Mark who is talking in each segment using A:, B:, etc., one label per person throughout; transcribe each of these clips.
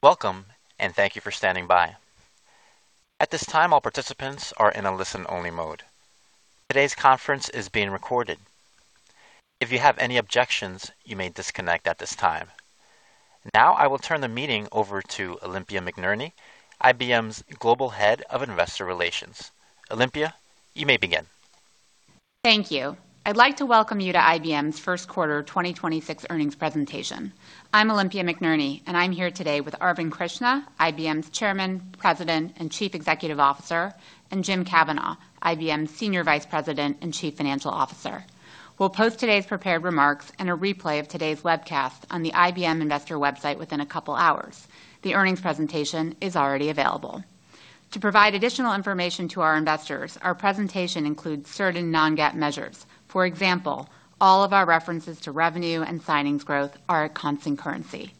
A: Welcome, and thank you for standing by. At this time, all participants are in a listen-only mode. Today's conference is being recorded. If you have any objections, you may disconnect at this time. Now, I will turn the meeting over to Olympia McNerney, IBM's Global Head of Investor Relations. Olympia, you may begin.
B: Thank you. I'd like to welcome you to IBM's First Quarter 2026 Earnings Presentation. I'm Olympia McNerney, and I'm here today with Arvind Krishna, IBM's Chairman, President, and Chief Executive Officer, and Jim Kavanaugh, IBM's Senior Vice President and Chief Financial Officer. We'll post today's prepared remarks and a replay of today's webcast on the IBM investor website within a couple of hours. The earnings presentation is already available. To provide additional information to our investors, our presentation includes certain non-GAAP measures. For example, all of our references to revenue and signings growth are at constant currency.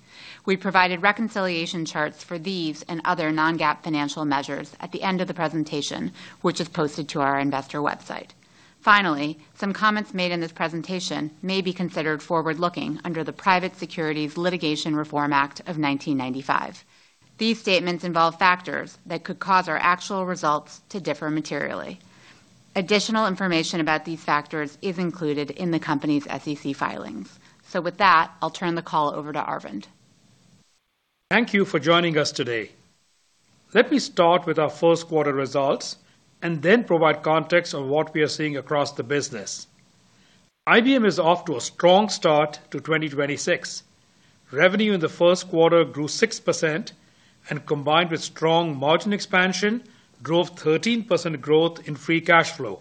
B: We provided reconciliation charts for these and other non-GAAP financial measures at the end of the presentation, which is posted to our investor website. Finally, some comments made in this presentation may be considered forward-looking under the Private Securities Litigation Reform Act of 1995. These statements involve factors that could cause our actual results to differ materially. Additional information about these factors is included in the company's SEC filings. With that, I'll turn the call over to Arvind.
C: Thank you for joining us today. Let me start with our first quarter results and then provide context on what we are seeing across the business. IBM is off to a strong start to 2026. Revenue in the first quarter grew 6% and, combined with strong margin expansion, drove 13% growth in free cash flow.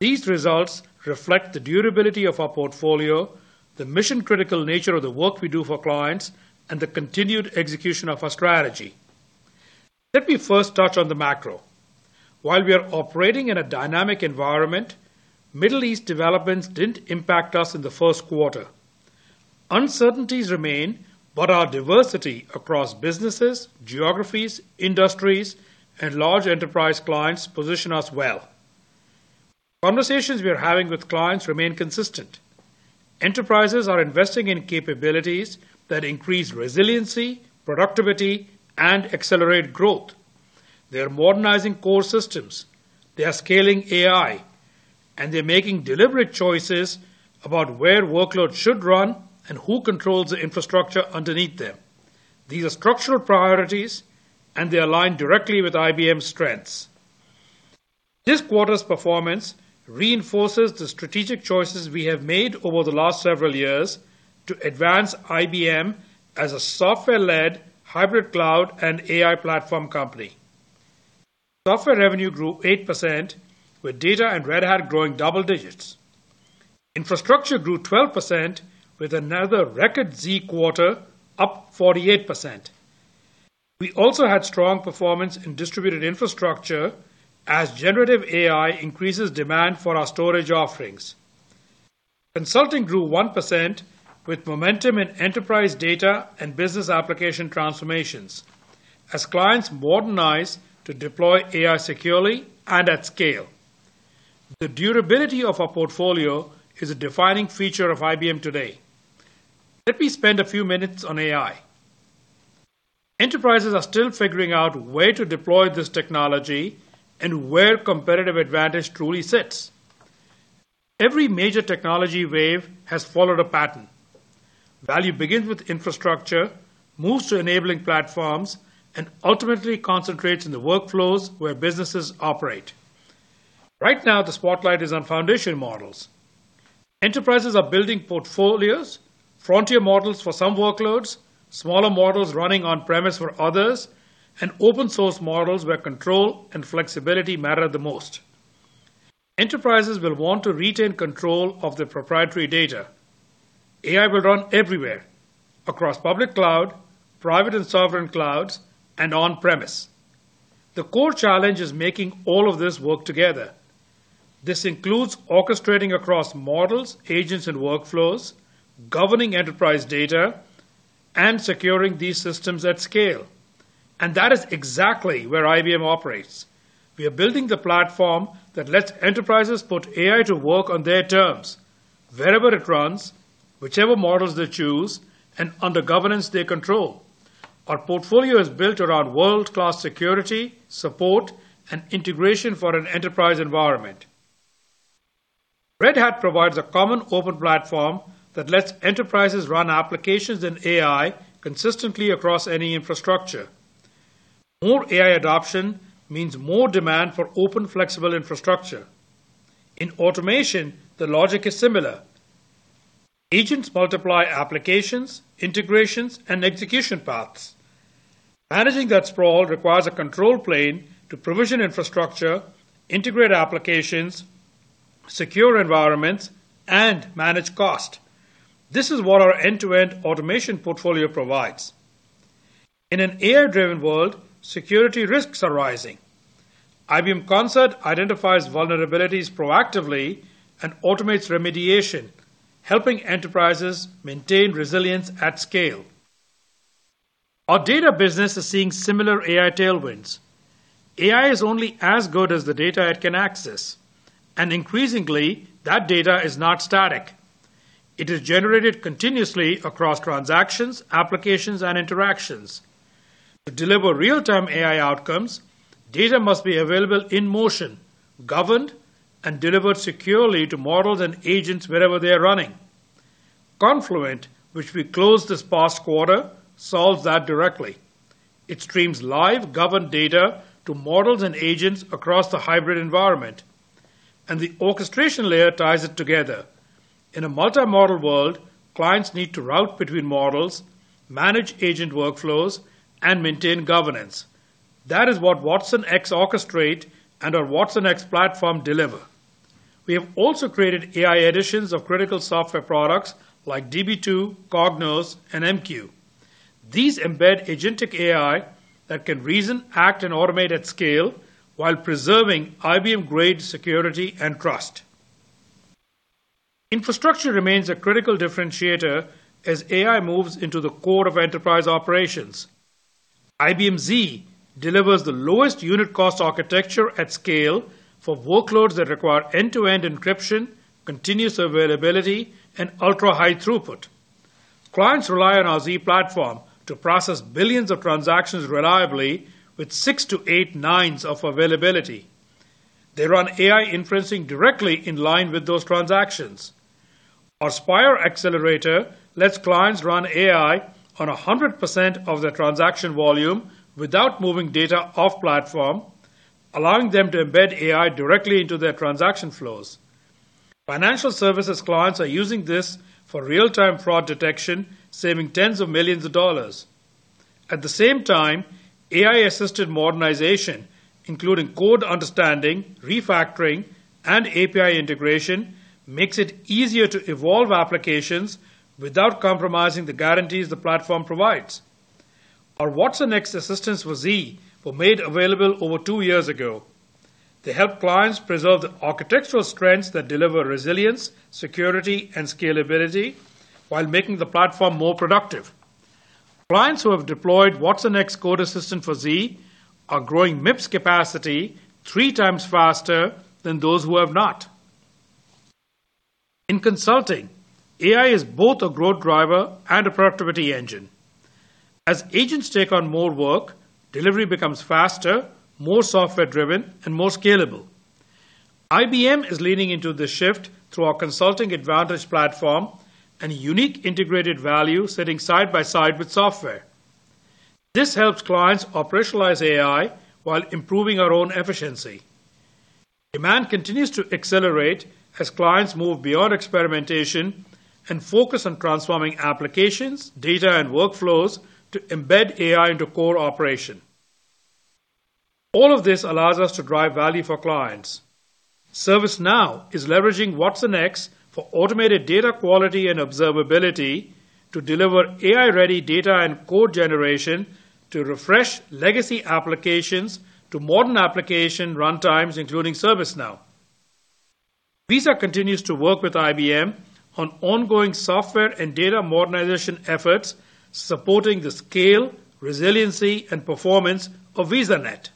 C: These results reflect the durability of our portfolio, the mission-critical nature of the work we do for clients, and the continued execution of our strategy. Let me first touch on the macro. While we are operating in a dynamic environment, Middle East developments didn't impact us in the first quarter. Uncertainties remain, but our diversity across businesses, geographies, industries, and large enterprise clients position us well. Conversations we are having with clients remain consistent. Enterprises are investing in capabilities that increase resiliency, productivity, and accelerate growth. They are modernizing core systems. They are scaling AI, and they're making deliberate choices about where workloads should run and who controls the infrastructure underneath them. These are structural priorities, and they align directly with IBM's strengths. This quarter's performance reinforces the strategic choices we have made over the last several years to advance IBM as a software-led hybrid cloud and AI platform company. Software revenue grew 8%, with Data and Red Hat growing double digits. Infrastructure grew 12%, with another record Z quarter up 48%. We also had strong performance in distributed infrastructure as generative AI increases demand for our storage offerings. Consulting grew 1%, with momentum in enterprise data and business application transformations as clients modernize to deploy AI securely and at scale. The durability of our portfolio is a defining feature of IBM today. Let me spend a few minutes on AI. Enterprises are still figuring out where to deploy this technology and where competitive advantage truly sits. Every major technology wave has followed a pattern. Value begins with infrastructure, moves to enabling platforms, and ultimately concentrates on the workflows where businesses operate. Right now, the spotlight is on foundation models. Enterprises are building portfolios, frontier models for some workloads, smaller models running on-premise for others, and open-source models where control and flexibility matter the most. Enterprises will want to retain control of their proprietary data. AI will run everywhere, across public cloud, private and sovereign clouds, and on-premise. The core challenge is making all of this work together. This includes orchestrating across models, agents, and workflows, governing enterprise data, and securing these systems at scale. That is exactly where IBM operates. We are building the platform that lets enterprises put AI to work on their terms, wherever it runs, whichever models they choose, and under governance they control. Our portfolio is built around world-class security, support, and integration for an enterprise environment. Red Hat provides a common open platform that lets enterprises run applications and AI consistently across any infrastructure. More AI adoption means more demand for open, flexible infrastructure. In automation, the logic is similar. Agents multiply applications, integrations, and execution paths. Managing that sprawl requires a control plane to provision infrastructure, integrate applications, secure environments, and manage cost. This is what our end-to-end automation portfolio provides. In an AI-driven world, security risks are rising. IBM Concert identifies vulnerabilities proactively and automates remediation, helping enterprises maintain resilience at scale. Our data business is seeing similar AI tailwinds. AI is only as good as the data it can access, and increasingly, that data is not static. It is generated continuously across transactions, applications, and interactions. To deliver real-time AI outcomes, data must be available in motion, governed, and delivered securely to models and agents wherever they're running. Confluent, which we closed this past quarter, solves that directly. It streams live governed data to models and agents across the hybrid environment, and the orchestration layer ties it together. In a multi-model world, clients need to route between models, manage agent workflows, and maintain governance. That is what watsonx Orchestrate and our watsonx platform deliver. We have also created AI editions of critical software products like Db2, Cognos, and MQ. These embed agentic AI that can reason, act, and automate at scale while preserving IBM-grade security and trust. Infrastructure remains a critical differentiator as AI moves into the core of enterprise operations. IBM Z delivers the lowest unit cost architecture at scale for workloads that require end-to-end encryption, continuous availability, and ultra-high throughput. Clients rely on our Z platform to process billions of transactions reliably with six to eight nines of availability. They run AI inferencing directly in line with those transactions. Our Spyre Accelerator lets clients run AI on 100% of their transaction volume without moving data off-platform, allowing them to embed AI directly into their transaction flows. Financial services clients are using this for real-time fraud detection, saving tens of millions of dollars. At the same time, AI-assisted modernization, including code understanding, refactoring, and API integration, makes it easier to evolve applications without compromising the guarantees the platform provides. Our watsonx assistants for Z were made available over two years ago. They help clients preserve the architectural strengths that deliver resilience, security, and scalability while making the platform more productive. Clients who have deployed watsonx Code Assistant for Z are growing MIPS capacity 3x faster than those who have not. In consulting, AI is both a growth driver and a productivity engine. As agents take on more work, delivery becomes faster, more software-driven, and more scalable. IBM is leaning into this shift through our Consulting Advantage Platform and unique integrated value sitting side by side with software. This helps clients operationalize AI while improving our own efficiency. Demand continues to accelerate as clients move beyond experimentation and focus on transforming applications, data, and workflows to embed AI into core operation. All of this allows us to drive value for clients. ServiceNow is leveraging watsonx for automated data quality and observability to deliver AI-ready data and code generation to refresh legacy applications to modern application runtimes, including ServiceNow. Visa continues to work with IBM on ongoing software and data modernization efforts, supporting the scale, resiliency, and performance of VisaNet.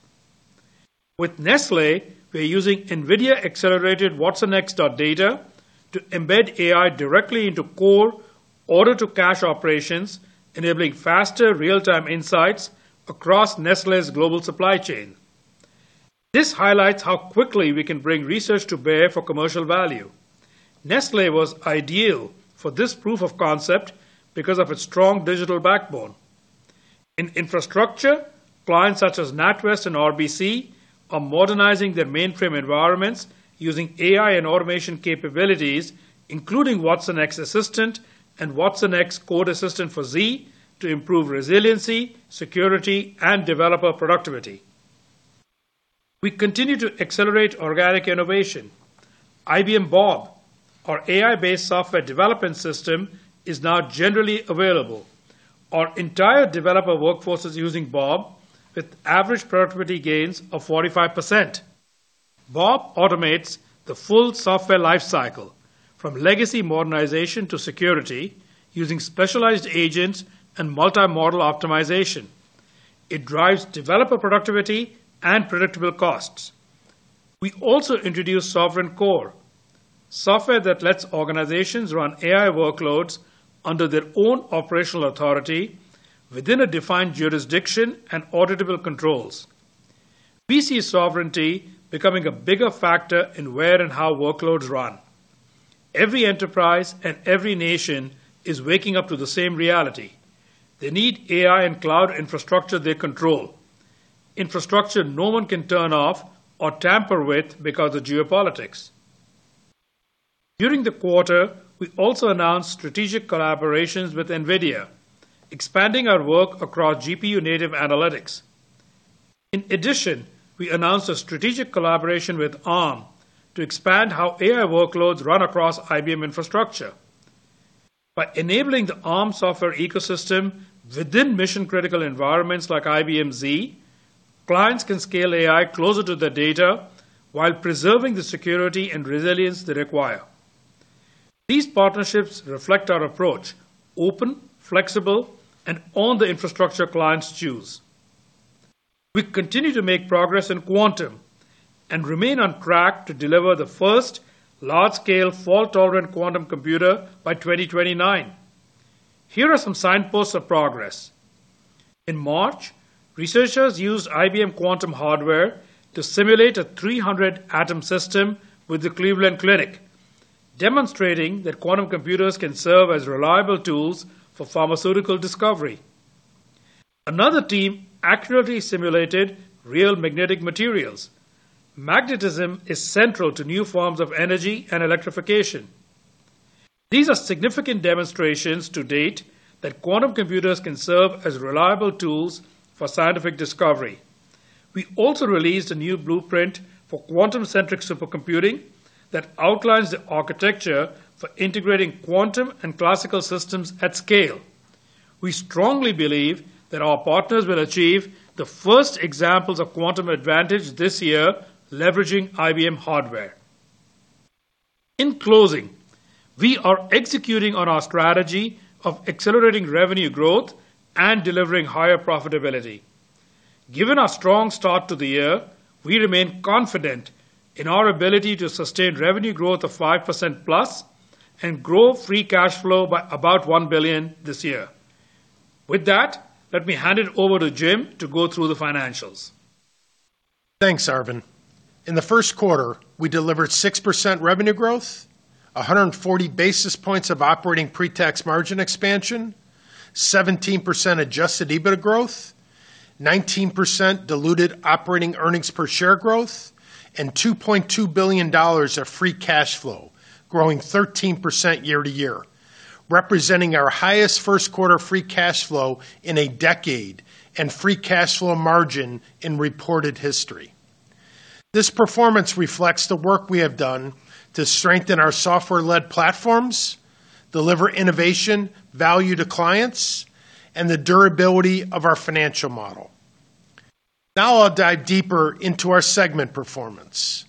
C: With Nestlé, we're using Nvidia-accelerated watsonx.data to embed AI directly into core order-to-cash operations, enabling faster real-time insights across Nestlé's global supply chain. This highlights how quickly we can bring research to bear for commercial value. Nestlé was ideal for this proof of concept because of its strong digital backbone. In infrastructure, clients such as NatWest and RBC are modernizing their mainframe environments using AI and automation capabilities, including watsonx Assistant and watsonx Code Assistant for Z to improve resiliency, security, and developer productivity. We continue to accelerate organic innovation. IBM Bob, our AI-based software development system, is now generally available. Our entire developer workforce is using Bob with average productivity gains of 45%. Bob automates the full software life cycle from legacy modernization to security using specialized agents and multi-model optimization. It drives developer productivity and predictable costs. We also introduced Sovereign Core, software that lets organizations run AI workloads under their own operational authority within a defined jurisdiction and auditable controls. We see sovereignty becoming a bigger factor in where and how workloads run. Every enterprise and every nation is waking up to the same reality. They need AI and cloud infrastructure they control. Infrastructure no one can turn off or tamper with because of geopolitics. During the quarter, we also announced strategic collaborations with Nvidia, expanding our work across GPU-native analytics. In addition, we announced a strategic collaboration with Arm to expand how AI workloads run across IBM infrastructure. By enabling the Arm software ecosystem within mission-critical environments like IBM Z, clients can scale AI closer to the data while preserving the security and resilience they require. These partnerships reflect our approach: open, flexible, and on the infrastructure clients choose. We continue to make progress in quantum and remain on track to deliver the first large-scale fault-tolerant quantum computer by 2029. Here are some signposts of progress. In March, researchers used IBM quantum hardware to simulate a 300-atom system with the Cleveland Clinic, demonstrating that quantum computers can serve as reliable tools for pharmaceutical discovery. Another team accurately simulated real magnetic materials. Magnetism is central to new forms of energy and electrification. These are significant demonstrations to date that quantum computers can serve as reliable tools for scientific discovery. We also released a new blueprint for quantum-centric supercomputing that outlines the architecture for integrating quantum and classical systems at scale. We strongly believe that our partners will achieve the first examples of quantum advantage this year, leveraging IBM hardware. In closing, we are executing on our strategy of accelerating revenue growth and delivering higher profitability. Given our strong start to the year, we remain confident in our ability to sustain revenue growth of 5%+ and grow free cash flow by about $1 billion this year. With that, let me hand it over to Jim to go through the financials.
D: Thanks, Arvind. In the first quarter, we delivered 6% revenue growth, 140 basis points of operating pre-tax margin expansion, 17% adjusted EBITDA growth, 19% diluted operating earnings per share growth, and $2.2 billion of free cash flow, growing 13% year-over-year, representing our highest first quarter free cash flow in a decade and free cash flow margin in reported history. This performance reflects the work we have done to strengthen our software-led platforms, deliver innovation value to clients, and the durability of our financial model. Now I'll dive deeper into our segment performance.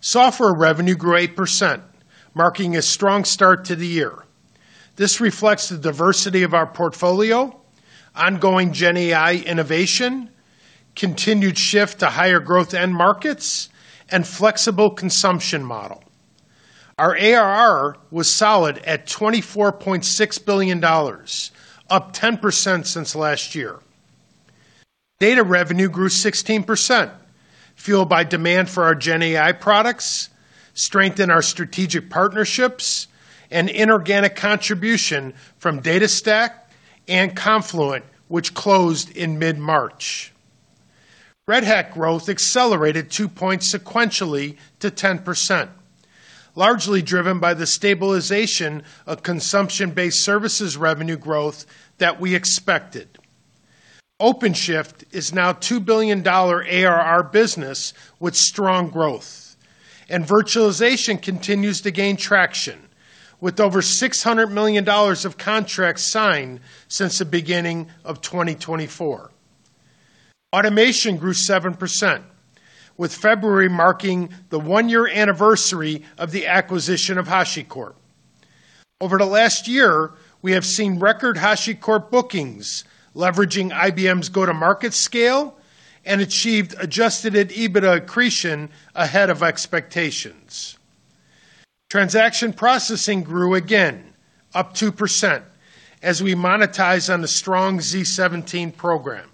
D: Software revenue grew 8%, marking a strong start to the year. This reflects the diversity of our portfolio, ongoing gen AI innovation, continued shift to higher growth end markets, and flexible consumption model. Our ARR was solid at $24.6 billion, up 10% since last year. Data revenue grew 16%, fueled by demand for our GenAI products, strength in our strategic partnerships, and inorganic contribution from DataStax and Confluent, which closed in mid-March. Red Hat growth accelerated 2 points sequentially to 10%, largely driven by the stabilization of consumption-based services revenue growth that we expected. OpenShift is now a $2 billion ARR business with strong growth, and virtualization continues to gain traction, with over $600 million of contracts signed since the beginning of 2024. Automation grew 7%, with February marking the one-year anniversary of the acquisition of HashiCorp. Over the last year, we have seen record HashiCorp bookings leveraging IBM's go-to-market scale and achieved adjusted EBITDA accretion ahead of expectations. Transaction processing grew again, up 2%, as we monetize on the strong z17 program.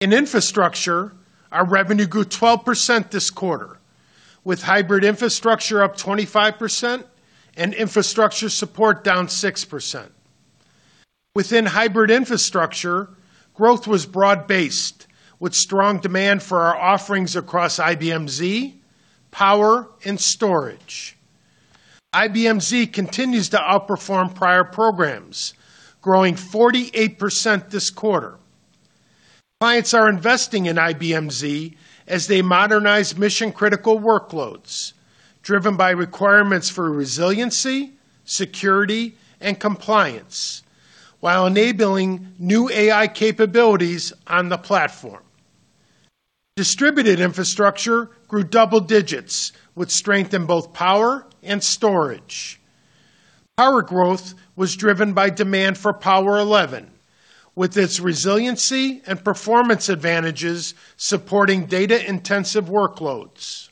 D: In infrastructure, our revenue grew 12% this quarter, with hybrid infrastructure up 25% and infrastructure support down 6%. Within hybrid infrastructure, growth was broad-based with strong demand for our offerings across IBM Z, Power, and Storage. IBM Z continues to outperform prior programs, growing 48% this quarter. Clients are investing in IBM Z as they modernize mission-critical workloads, driven by requirements for resiliency, security, and compliance while enabling new AI capabilities on the platform. Distributed infrastructure grew double digits, with strength in both Power and Storage. Power growth was driven by demand for Power11, with its resiliency and performance advantages supporting data-intensive workloads.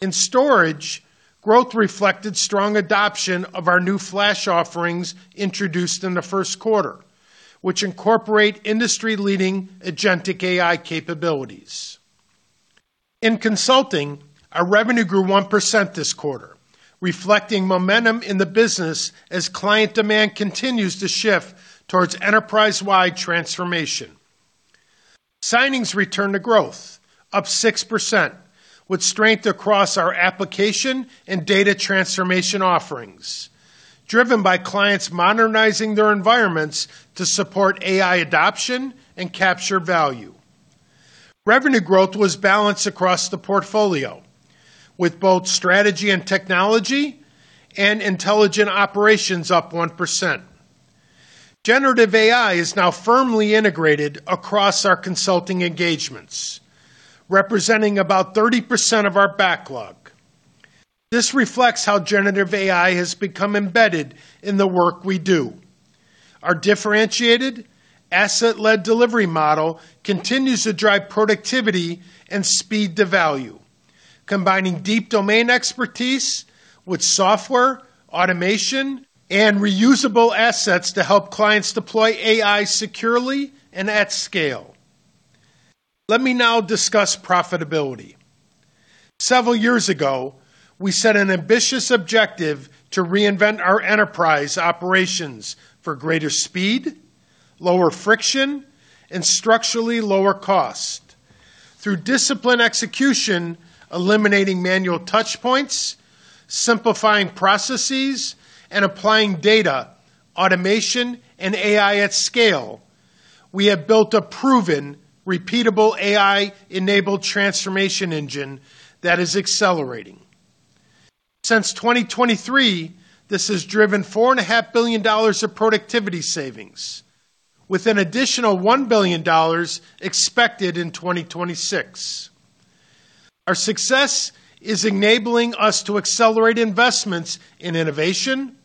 D: In storage, growth reflected strong adoption of our new Flash offerings introduced in the first quarter, which incorporate industry-leading agentic AI capabilities. In consulting, our revenue grew 1% this quarter, reflecting momentum in the business as client demand continues to shift towards enterprise-wide transformation. Signings returned to growth, up 6%, with strength across our application and data transformation offerings, driven by clients modernizing their environments to support AI adoption and capture value. Revenue growth was balanced across the portfolio, with both strategy and technology and intelligent operations up 1%. Generative AI is now firmly integrated across our consulting engagements, representing about 30% of our backlog. This reflects how generative AI has become embedded in the work we do. Our differentiated asset-led delivery model continues to drive productivity and speed to value, combining deep domain expertise with software, automation, and reusable assets to help clients deploy AI securely and at scale. Let me now discuss profitability. Several years ago, we set an ambitious objective to reinvent our enterprise operations for greater speed, lower friction, and structurally lower cost. Through disciplined execution, eliminating manual touch points, simplifying processes, and applying data, automation, and AI at scale, we have built a proven, repeatable AI-enabled transformation engine that is accelerating. Since 2023, this has driven $4.5 billion of productivity savings with an additional $1 billion expected in 2026. Our success is enabling us to accelerate investments in innovation,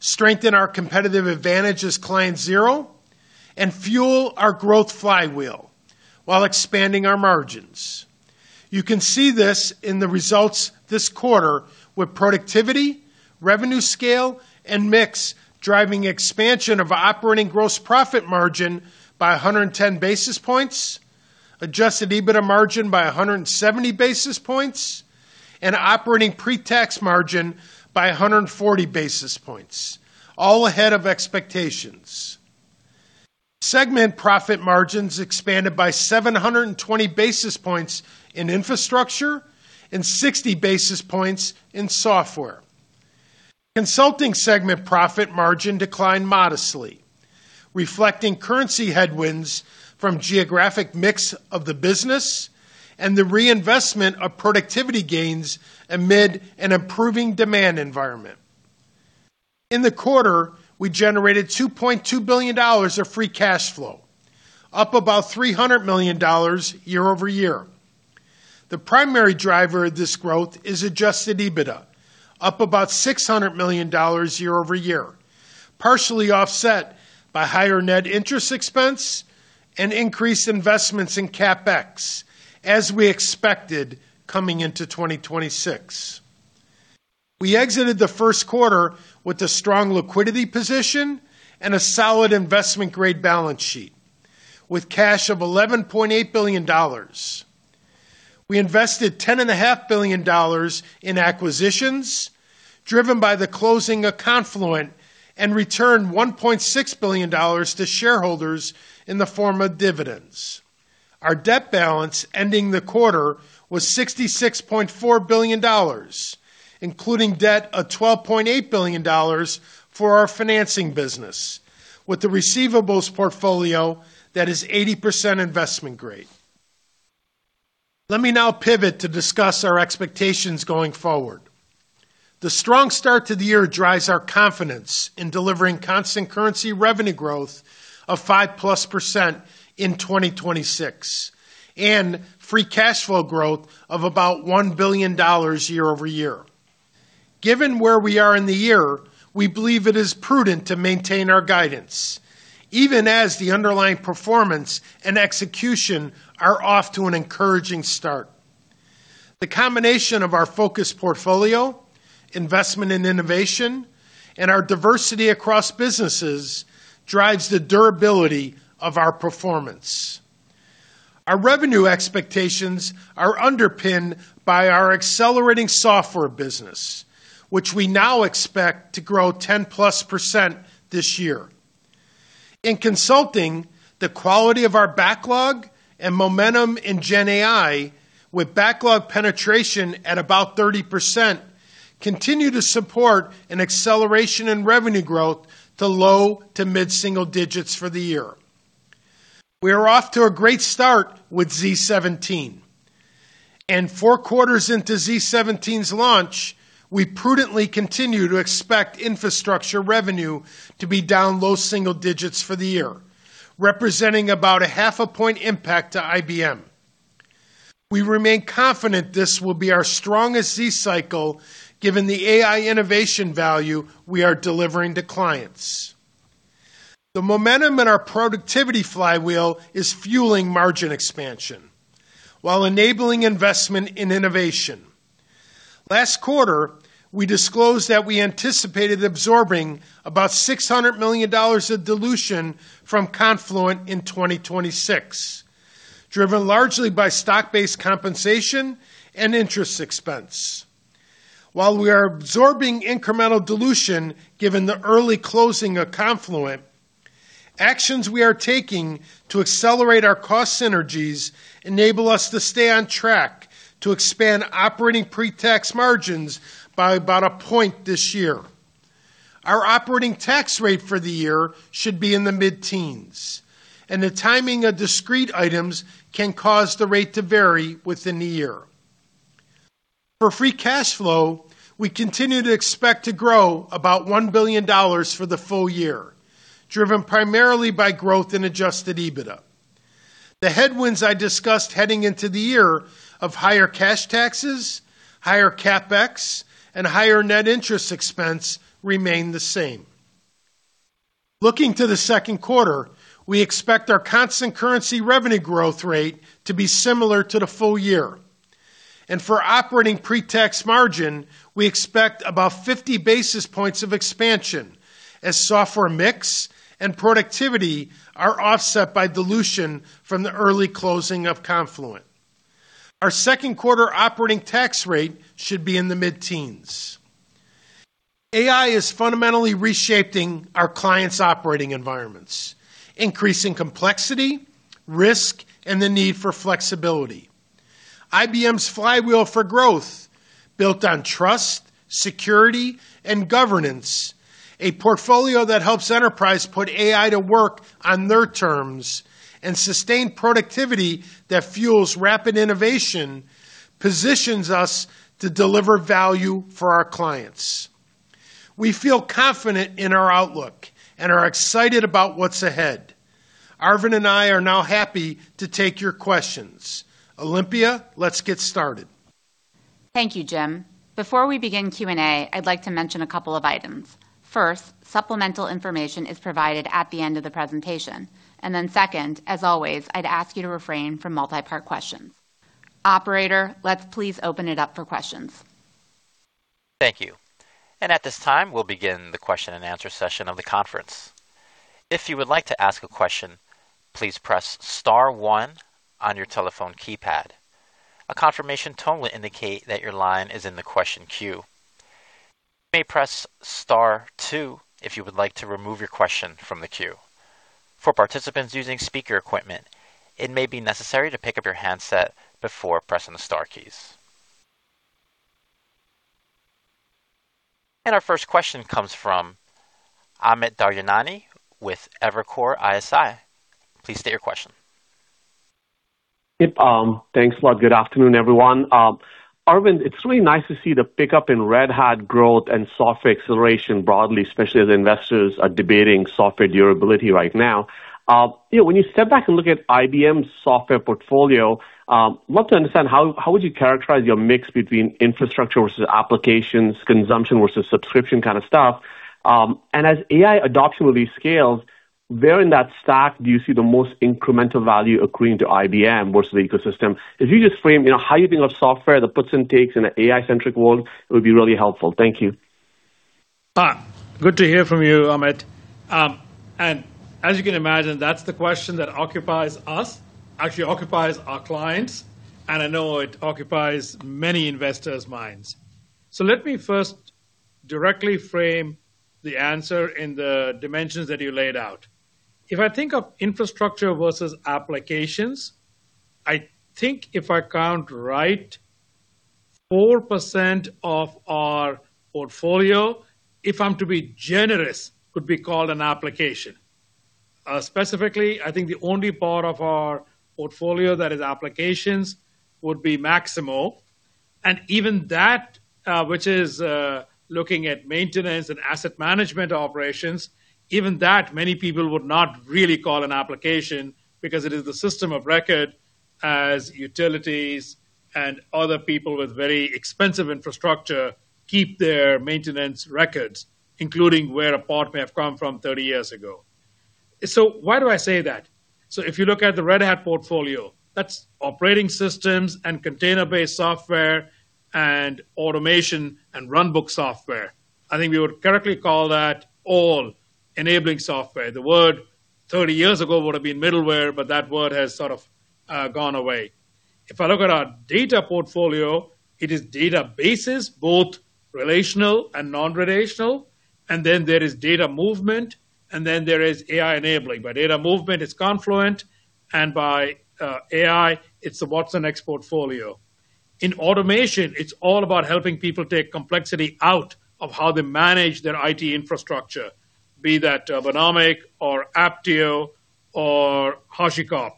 D: strengthen our competitive advantage as client zero, and fuel our growth flywheel while expanding our margins. You can see this in the results this quarter with productivity, revenue scale, and mix driving expansion of operating gross profit margin by 110 basis points, adjusted EBITDA margin by 170 basis points, and operating pre-tax margin by 140 basis points, all ahead of expectations. Segment profit margins expanded by 720 basis points in infrastructure and 60 basis points in software. Consulting segment profit margin declined modestly, reflecting currency headwinds from geographic mix of the business and the reinvestment of productivity gains amid an improving demand environment. In the quarter, we generated $2.2 billion of free cash flow, up about $300 million year-over-year. The primary driver of this growth is adjusted EBITDA, up about $600 million year-over-year, partially offset by higher net interest expense and increased investments in CapEx, as we expected coming into 2026. We exited the first quarter with a strong liquidity position and a solid investment-grade balance sheet with cash of $11.8 billion. We invested $10.5 billion in acquisitions, driven by the closing of Confluent, and returned $1.6 billion to shareholders in the form of dividends. Our debt balance ending the quarter was $66.4 billion, including debt of $12.8 billion for our financing business with a receivables portfolio that is 80% investment-grade. Let me now pivot to discuss our expectations going forward. The strong start to the year drives our confidence in delivering constant currency revenue growth of 5%+ in 2026 and free cash flow growth of about $1 billion year-over-year. Given where we are in the year, we believe it is prudent to maintain our guidance, even as the underlying performance and execution are off to an encouraging start. The combination of our focused portfolio, investment in innovation, and our diversity across businesses drives the durability of our performance. Our revenue expectations are underpinned by our accelerating software business, which we now expect to grow 10%+ this year. In consulting, the quality of our backlog and momentum in gen AI with backlog penetration at about 30% continue to support an acceleration in revenue growth to low to mid-single digits for the year. We are off to a great start with Z17, and four quarters into Z17's launch, we prudently continue to expect infrastructure revenue to be down low single digits for the year, representing about a half a point impact to IBM. We remain confident this will be our strongest z cycle given the AI innovation value we are delivering to clients. The momentum in our productivity flywheel is fueling margin expansion while enabling investment in innovation. Last quarter, we disclosed that we anticipated absorbing about $600 million of dilution from Confluent in 2026, driven largely by stock-based compensation and interest expense. While we are absorbing incremental dilution given the early closing of Confluent, actions we are taking to accelerate our cost synergies enable us to stay on track to expand operating pre-tax margins by about a point this year. Our operating tax rate for the year should be in the mid-teens, and the timing of discrete items can cause the rate to vary within the year. For free cash flow, we continue to expect to grow about $1 billion for the full year, driven primarily by growth in adjusted EBITDA. The headwinds I discussed heading into the year of higher cash taxes, higher CapEx, and higher net interest expense remain the same. Looking to the second quarter, we expect our constant currency revenue growth rate to be similar to the full year. For operating pre-tax margin, we expect about 50 basis points of expansion as software mix and productivity are offset by dilution from the early closing of Confluent. Our second quarter operating tax rate should be in the mid-teens. AI is fundamentally reshaping our clients' operating environments, increasing complexity, risk, and the need for flexibility. IBM's flywheel for growth built on trust, security, and governance, a portfolio that helps enterprise put AI to work on their terms and sustain productivity that fuels rapid innovation, positions us to deliver value for our clients. We feel confident in our outlook and are excited about what's ahead. Arvind and I are now happy to take your questions. Olympia, let's get started.
B: Thank you, Jim. Before we begin Q and A, I'd like to mention a couple of items. First, supplemental information is provided at the end of the presentation. Second, as always, I'd ask you to refrain from multi-part questions. Operator, let's please open it up for questions.
A: Thank you. At this time, we'll begin the question and answer session of the conference. If you would like to ask a question, please press star one on your telephone keypad. A confirmation tone will indicate that your line is in the question queue. You may press star two if you would like to remove your question from the queue. For participants using speaker equipment, it may be necessary to pick up your handset before pressing the star keys. Our first question comes from Amit Daryanani with Evercore ISI. Please state your question.
E: Thanks a lot. Good afternoon, everyone. Arvind, it's really nice to see the pickup in Red Hat growth and software acceleration broadly, especially as investors are debating software durability right now. When you step back and look at IBM's software portfolio, I'd love to understand how would you characterize your mix between infrastructure versus applications, consumption versus subscription kind of stuff. As AI adoption really scales, where in that stack do you see the most incremental value accruing to IBM versus the ecosystem? If you just frame how you think of software, the puts and takes in an AI-centric world, it would be really helpful. Thank you.
C: Good to hear from you, Amit. As you can imagine, that's the question that occupies us, actually occupies our clients, and I know it occupies many investors' minds. Let me first directly frame the answer in the dimensions that you laid out. If I think of infrastructure versus applications, I think if I count right, 4% of our portfolio, if I'm to be generous, could be called an application. Specifically, I think the only part of our portfolio that is applications would be Maximo. Even that, which is looking at maintenance and asset management operations, even that many people would not really call an application because it is the system of record as utilities and other people with very expensive infrastructure keep their maintenance records, including where a part may have come from 30 years ago. Why do I say that? If you look at the Red Hat portfolio, that's operating systems and container-based software and automation and runbook software. I think we would correctly call that all enabling software. The word 30 years ago would have been middleware, but that word has sort of gone away. If I look at our data portfolio, it is databases, both relational and non-relational, and then there is data movement, and then there is AI enabling. By data movement, it's Confluent, and by AI, it's the watsonx portfolio. In automation, it's all about helping people take complexity out of how they manage their IT infrastructure, be that Turbonomic or Apptio or HashiCorp.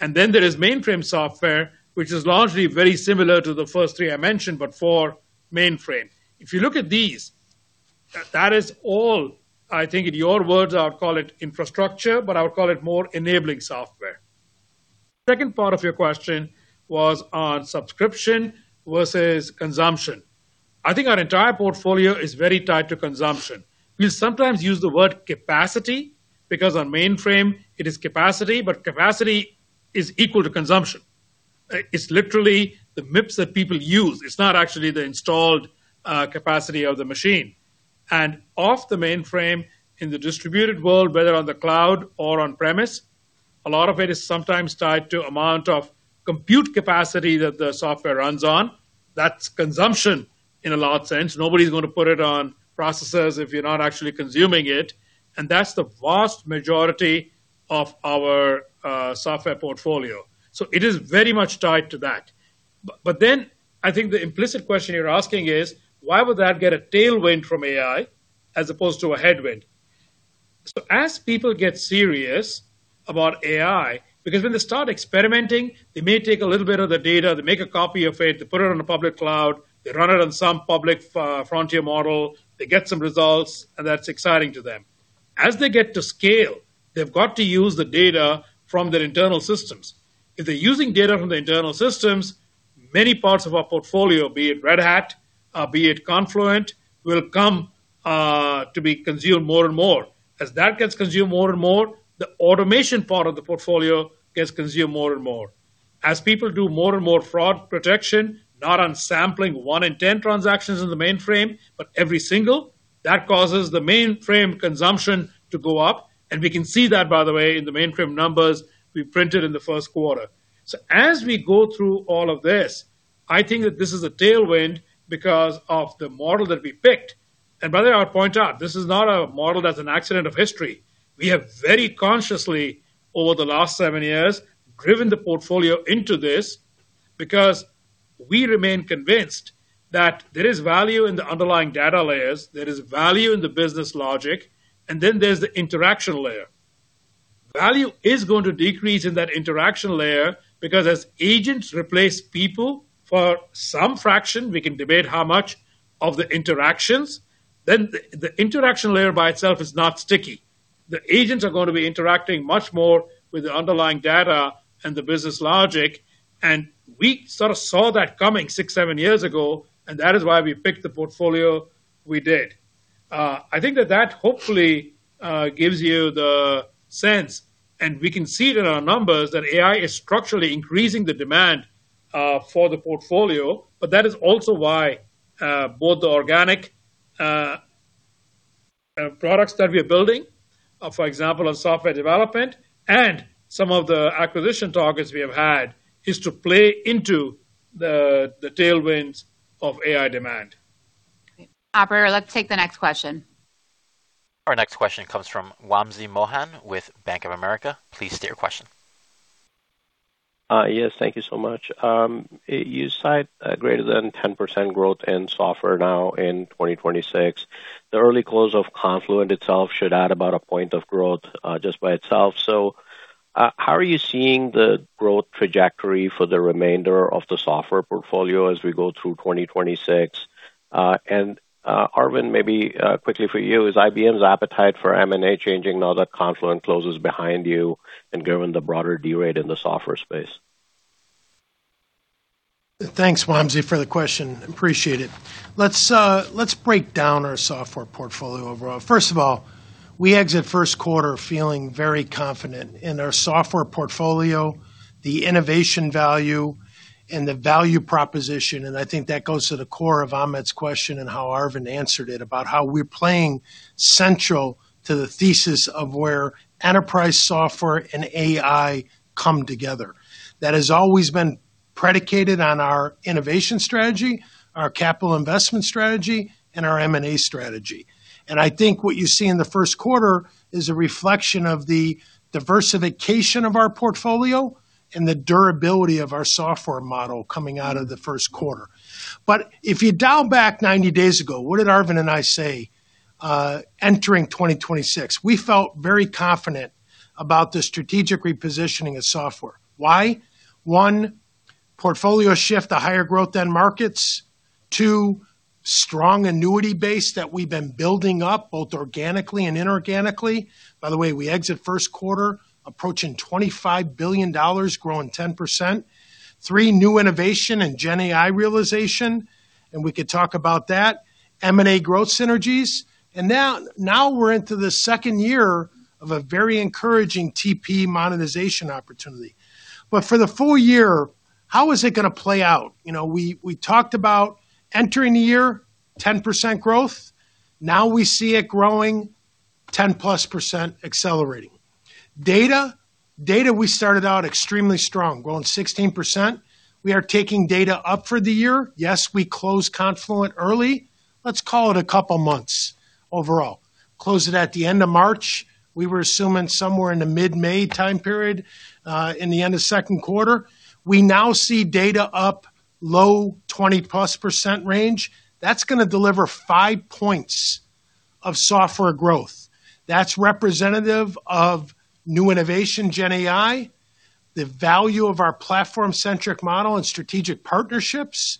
C: Then there is mainframe software, which is largely very similar to the first three I mentioned, but for mainframe. If you look at these, that is all, I think in your words, I would call it infrastructure, but I would call it more enabling software. Second part of your question was on subscription versus consumption. I think our entire portfolio is very tied to consumption. We sometimes use the word capacity because on mainframe, it is capacity, but capacity is equal to consumption. It's literally the MIPS that people use. It's not actually the installed capacity of the machine. Off the mainframe in the distributed world, whether on the cloud or on-premise, a lot of it is sometimes tied to amount of compute capacity that the software runs on. That's consumption in a large sense. Nobody's going to put it on processors if you're not actually consuming it, and that's the vast majority of our software portfolio. It is very much tied to that. I think the implicit question you're asking is, why would that get a tailwind from AI as opposed to a headwind? As people get serious about AI, because when they start experimenting, they may take a little bit of the data, they make a copy of it, they put it on a public cloud, they run it on some public frontier model, they get some results, and that's exciting to them. As they get to scale, they've got to use the data from their internal systems. If they're using data from their internal systems, many parts of our portfolio, be it Red Hat, be it Confluent, will come to be consumed more and more. As that gets consumed more and more, the automation part of the portfolio gets consumed more and more. As people do more and more fraud protection, not on sampling one in 10 transactions in the mainframe, but every single, that causes the mainframe consumption to go up. We can see that, by the way, in the mainframe numbers we printed in the first quarter. As we go through all of this, I think that this is a tailwind because of the model that we picked. By the way, I would point out, this is not a model that's an accident of history. We have very consciously, over the last seven years, driven the portfolio into this because we remain convinced that there is value in the underlying data layers, there is value in the business logic, and then there's the interaction layer. Value is going to decrease in that interaction layer because as agents replace people for some fraction, we can debate how much, of the interactions, then the interaction layer by itself is not sticky. The agents are going to be interacting much more with the underlying data and the business logic, and we sort of saw that coming six, seven years ago, and that is why we picked the portfolio we did. I think that hopefully gives you the sense, and we can see it in our numbers, that AI is structurally increasing the demand for the portfolio. That is also why both the organic products that we are building, for example, on software development, and some of the acquisition targets we have had, is to play into the tailwinds of AI demand.
B: Operator, let's take the next question.
A: Our next question comes from Wamsi Mohan with Bank of America. Please state your question.
F: Yes, thank you so much. You cite a greater than 10% growth in software now in 2026. The early close of Confluent itself should add about a point of growth just by itself. How are you seeing the growth trajectory for the remainder of the software portfolio as we go through 2026? Arvind, maybe quickly for you, is IBM's appetite for M&A changing now that Confluent closes behind you and given the broader deal rate in the software space?
D: Thanks, Wamsi, for the question. Appreciate it. Let's break down our software portfolio overall. First of all, we exit first quarter feeling very confident in our software portfolio, the innovation value and the value proposition, and I think that goes to the core of Amit's question and how Arvind answered it about how we're playing central to the thesis of where enterprise software and AI come together. That has always been predicated on our innovation strategy, our capital investment strategy, and our M&A strategy. I think what you see in the first quarter is a reflection of the diversification of our portfolio and the durability of our software model coming out of the first quarter. If you dial back 90 days ago, what did Arvind and I say entering 2026? We felt very confident about the strategic repositioning of software. Why? One, portfolio shift to higher growth end markets. Two, strong annuity base that we've been building up, both organically and inorganically. By the way, we exit first quarter approaching $25 billion, growing 10%. Three, new innovation and GenAI realization, and we could talk about that. M&A growth synergies. Now we're into the second year of a very encouraging TP monetization opportunity. For the full year, how is it going to play out? We talked about entering the year, 10% growth. Now we see it growing 10%+ accelerating. Data, we started out extremely strong, growing 16%. We are taking data up for the year. Yes, we closed Confluent early. Let's call it a couple of months overall. Closed it at the end of March. We were assuming somewhere in the mid-May time period, in the end of second quarter. We now see data up low 20%+ range. That's going to deliver 5 points of software growth. That's representative of new innovation, GenAI, the value of our platform-centric model and strategic partnerships,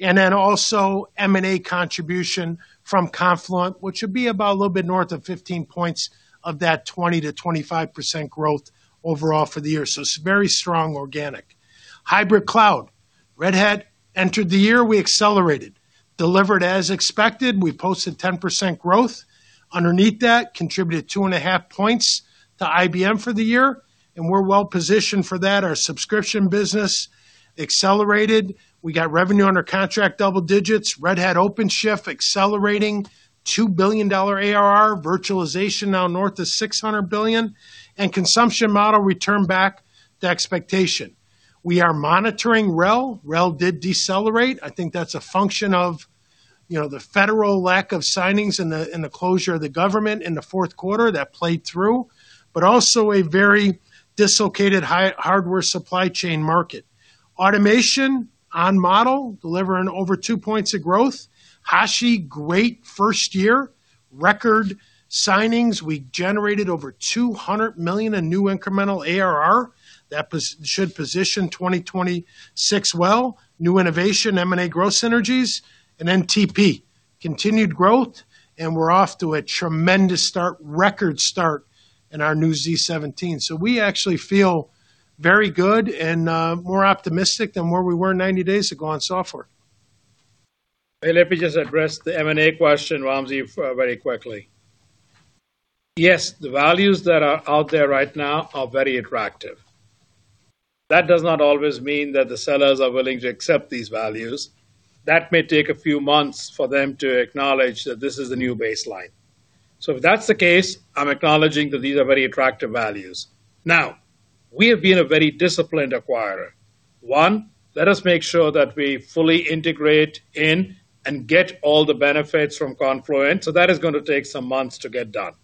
D: and then also M&A contribution from Confluent, which would be about a little bit north of 15 points of that 20%-25% growth overall for the year. It's very strong organic. Hybrid cloud. Red Hat entered the year, we accelerated. Delivered as expected. We posted 10% growth. Underneath that, contributed 2.5 points to IBM for the year, and we're well-positioned for that. Our subscription business accelerated. We got revenue under contract double digits. Red Hat OpenShift accelerating, $2 billion ARR. Virtualization now north of $600 million. Consumption model returned back to expectation. We are monitoring RHEL. RHEL did decelerate. I think that's a function of the federal lack of signings and the closure of the government in the fourth quarter that played through, but also a very dislocated hardware supply chain market. Automation on model, delivering over 2 points of growth. Hashi, great first year. Record signings. We generated over $200 million in new incremental ARR. That should position 2026 well. New innovation, M&A growth synergies, and then TP. Continued growth, and we're off to a tremendous start, record start in our new z17. We actually feel very good and more optimistic than where we were 90 days ago on software.
C: Let me just address the M&A question, Wamsi Mohan, very quickly. Yes, the values that are out there right now are very attractive. That does not always mean that the sellers are willing to accept these values. That may take a few months for them to acknowledge that this is the new baseline. If that's the case, I'm acknowledging that these are very attractive values. Now, we have been a very disciplined acquirer. One, let us make sure that we fully integrate in and get all the benefits from Confluent. That is going to take some months to get done.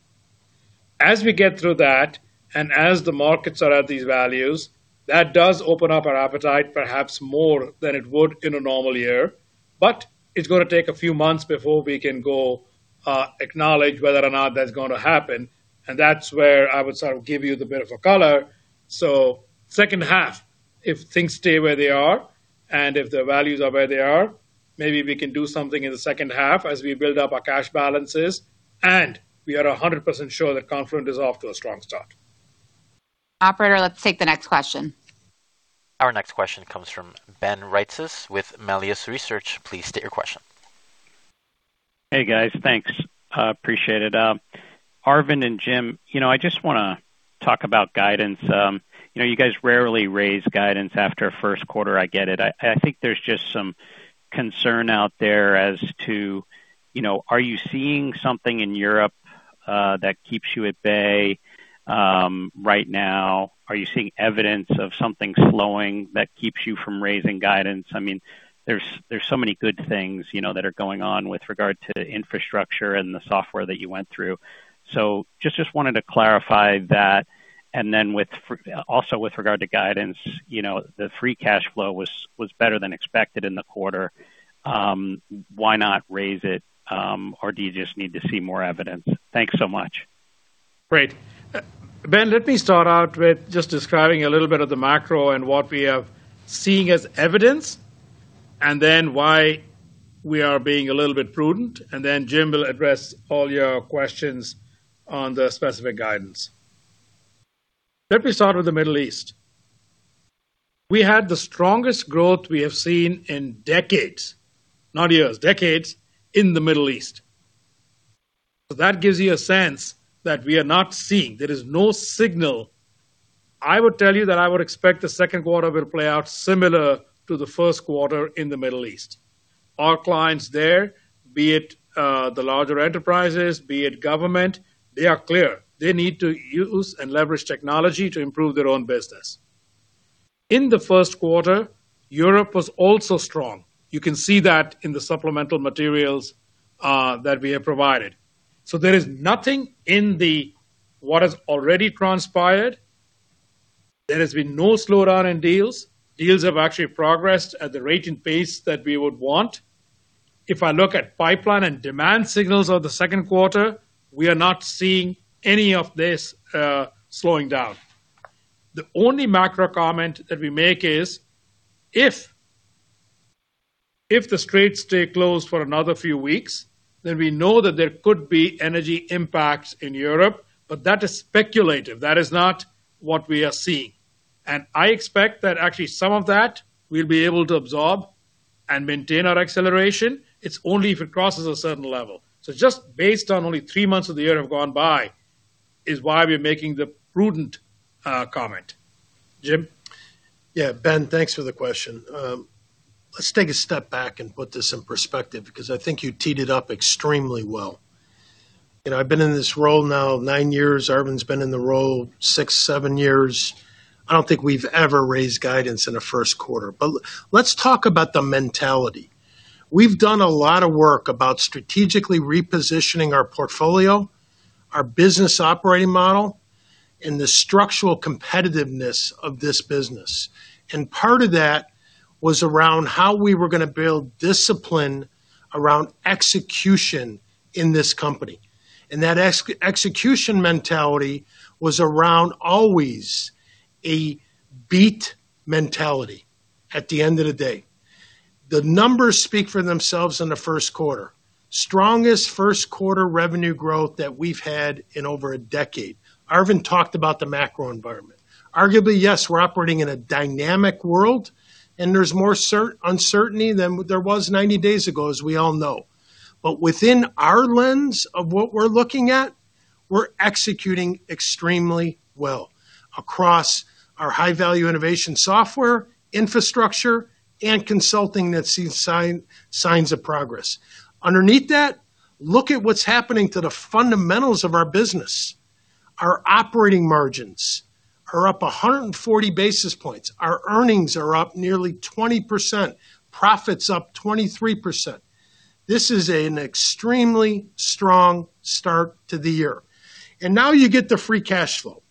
C: As we get through that, and as the markets are at these values, that does open up our appetite perhaps more than it would in a normal year, but it's going to take a few months before we can go acknowledge whether or not that's going to happen, and that's where I would give you the bit of a color. Second half, if things stay where they are, and if the values are where they are, maybe we can do something in the second half as we build up our cash balances, and we are 100% sure that Confluent is off to a strong start.
B: Operator, let's take the next question.
A: Our next question comes from Ben Reitzes with Melius Research. Please state your question.
G: Hey, guys. Thanks. Appreciate it. Arvind and Jim, I just want to talk about guidance. You guys rarely raise guidance after a first quarter, I get it. I think there's just some concern out there as to, are you seeing something in Europe that keeps you at bay right now? Are you seeing evidence of something slowing that keeps you from raising guidance? There's so many good things that are going on with regard to infrastructure and the software that you went through. Just wanted to clarify that. Then also with regard to guidance, the free cash flow was better than expected in the quarter. Why not raise it? Or do you just need to see more evidence? Thanks so much.
C: Great. Ben, let me start out with just describing a little bit of the macro and what we are seeing as evidence, and then why we are being a little bit prudent, and then Jim will address all your questions on the specific guidance. Let me start with the Middle East. We had the strongest growth we have seen in decades, not years, decades, in the Middle East. That gives you a sense that we are not seeing. There is no signal. I would tell you that I would expect the second quarter will play out similar to the first quarter in the Middle East. Our clients there, be it the larger enterprises, be it government, they are clear. They need to use and leverage technology to improve their own business. In the first quarter, Europe was also strong. You can see that in the supplemental materials that we have provided. There is nothing in what has already transpired. There has been no slowdown in deals. Deals have actually progressed at the rate and pace that we would want. If I look at pipeline and demand signals of the second quarter, we are not seeing any of this slowing down. The only macro comment that we make is, if the Straits stay closed for another few weeks, then we know that there could be energy impacts in Europe, but that is speculative. That is not what we are seeing. I expect that actually some of that we'll be able to absorb and maintain our acceleration. It's only if it crosses a certain level. Just based on only three months of the year have gone by is why we're making the prudent comment. Jim?
D: Yeah. Ben, thanks for the question. Let's take a step back and put this in perspective because I think you teed it up extremely well. I've been in this role now nine years. Arvind's been in the role six, seven years. I don't think we've ever raised guidance in a first quarter. Let's talk about the mentality. We've done a lot of work about strategically repositioning our portfolio, our business operating model, and the structural competitiveness of this business. Part of that was around how we were going to build discipline around execution in this company. That execution mentality was around always a beat mentality at the end of the day. The numbers speak for themselves in the first quarter, strongest first quarter revenue growth that we've had in over a decade. Arvind talked about the macro environment. Arguably, yes, we're operating in a dynamic world, and there's more uncertainty than there was 90 days ago, as we all know. Within our lens of what we're looking at, we're executing extremely well across our high-value innovation software, infrastructure, and consulting that sees signs of progress. Underneath that, look at what's happening to the fundamentals of our business. Our operating margins are up 140 basis points. Our earnings are up nearly 20%, profits up 23%. This is an extremely strong start to the year. Now you get the free cash flow,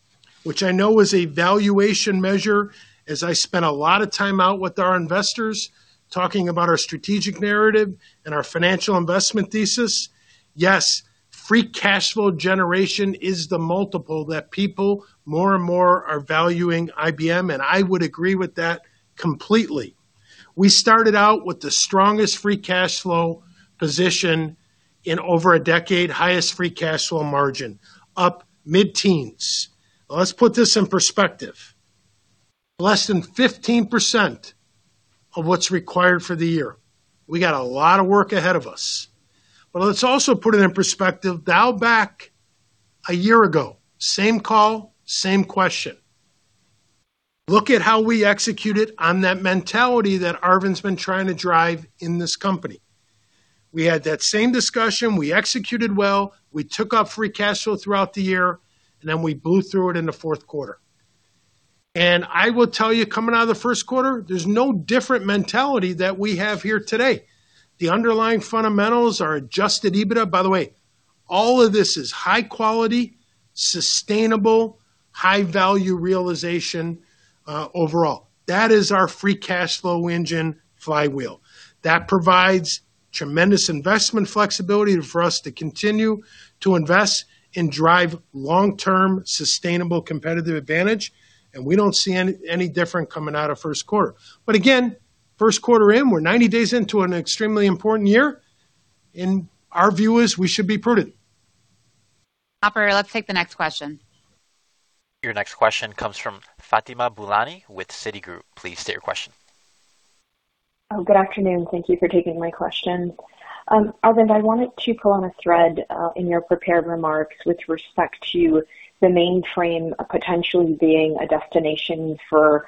D: which I know is a valuation measure, as I spent a lot of time out with our investors talking about our strategic narrative and our financial investment thesis. Yes, free cash flow generation is the multiple that people more and more are valuing IBM, and I would agree with that completely. We started out with the strongest free cash flow position in over a decade, highest free cash flow margin, up mid-teens%. Let's put this in perspective. Less than 15% of what's required for the year. We got a lot of work ahead of us. But let's also put it in perspective, dial back a year ago, same call, same question. Look at how we executed on that mentality that Arvind's been trying to drive in this company. We had that same discussion. We executed well. We took up free cash flow throughout the year, and then we blew through it in the fourth quarter. I will tell you, coming out of the first quarter, there's no different mentality that we have here today. The underlying fundamentals, our adjusted EBITDA, by the way, all of this is high quality, sustainable, high value realization, overall. That is our free cash flow engine flywheel. That provides tremendous investment flexibility for us to continue to invest and drive long-term sustainable competitive advantage, and we don't see any different coming out of first quarter. Again, first quarter in, we're 90 days into an extremely important year, and our view is we should be prudent.
B: Operator, let's take the next question.
A: Your next question comes from Fatima Boolani with Citigroup. Please state your question.
H: Good afternoon. Thank you for taking my questions. Arvind, I wanted to pull on a thread, in your prepared remarks with respect to the mainframe potentially being a destination for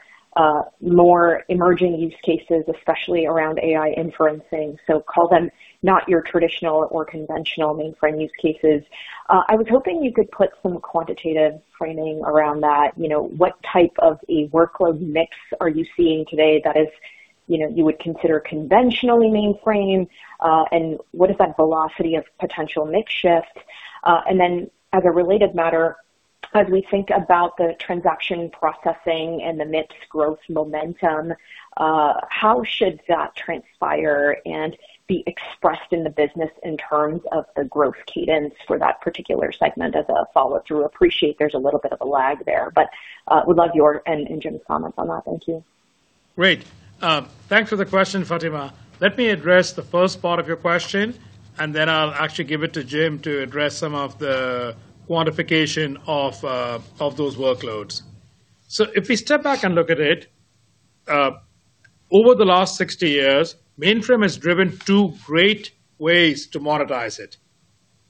H: more emerging use cases, especially around AI inferencing. Call them not your traditional or conventional mainframe use cases. I was hoping you could put some quantitative framing around that. What type of a workload mix are you seeing today that you would consider conventionally mainframe? And what is that velocity of potential mix shift? And then, as a related matter, as we think about the transaction processing and the mix growth momentum, how should that transpire and be expressed in the business in terms of the growth cadence for that particular segment as a follow-through? Appreciate there's a little bit of a lag there, but would love your and Jim's comments on that. Thank you.
C: Great. Thanks for the question, Fatima. Let me address the first part of your question, and then I'll actually give it to Jim to address some of the quantification of those workloads. If we step back and look at it, over the last 60 years, mainframe has driven two great ways to monetize it.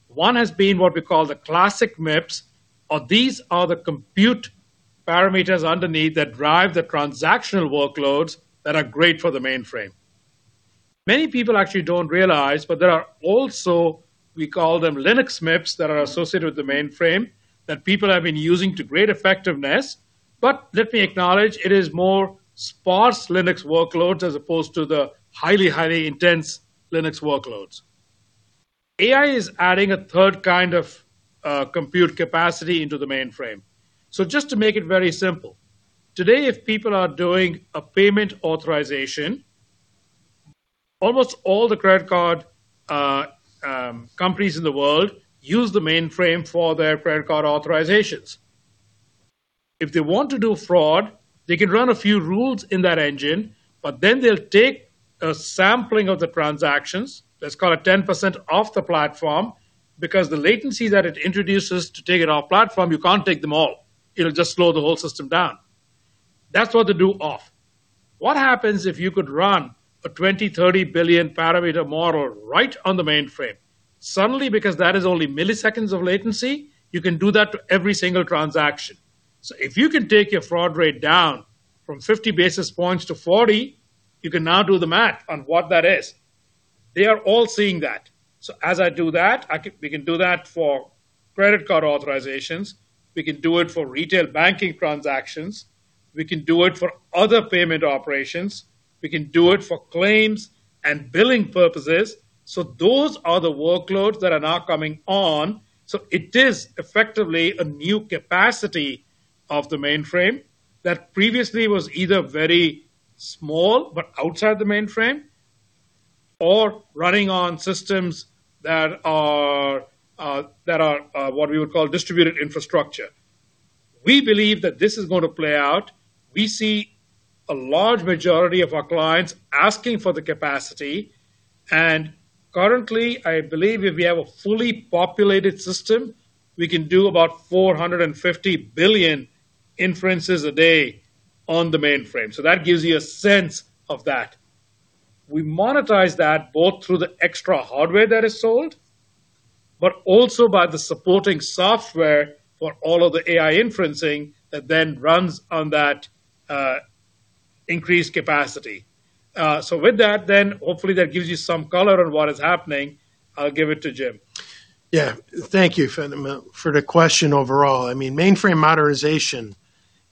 C: One has been what we call the classic MIPS, or these are the compute parameters underneath that drive the transactional workloads that are great for the mainframe. Many people actually don't realize, but there are also, we call them Linux MIPS, that are associated with the mainframe that people have been using to great effectiveness. But let me acknowledge, it is more sparse Linux workloads as opposed to the highly intense Linux workloads. AI is adding a third kind of compute capacity into the mainframe. Just to make it very simple, today, if people are doing a payment authorization, almost all the credit card companies in the world use the mainframe for their credit card authorizations. If they want to do fraud, they can run a few rules in that engine, but then they'll take a sampling of the transactions, let's call it 10% off the platform, because the latency that it introduces to take it off platform, you can't take them all. It'll just slow the whole system down. That's what they do off. What happens if you could run a 20-30 billion parameter model right on the mainframe? Suddenly, because that is only milliseconds of latency, you can do that to every single transaction. If you can take your fraud rate down from 50 basis points to 40, you can now do the math on what that is. They are all seeing that. As I do that, we can do that for credit card authorizations. We can do it for retail banking transactions. We can do it for other payment operations. We can do it for claims and billing purposes. Those are the workloads that are now coming on. It is effectively a new capacity of the mainframe that previously was either very small, but outside the mainframe, or running on systems that are what we would call distributed infrastructure. We believe that this is going to play out. We see a large majority of our clients asking for the capacity. Currently, I believe if we have a fully populated system, we can do about 450 billion inferences a day on the mainframe. That gives you a sense of that. We monetize that both through the extra hardware that is sold, but also by the supporting software for all of the AI inferencing that then runs on that increased capacity. With that, then hopefully that gives you some color on what is happening. I'll give it to Jim.
D: Yeah. Thank you for the question overall. I mean, mainframe modernization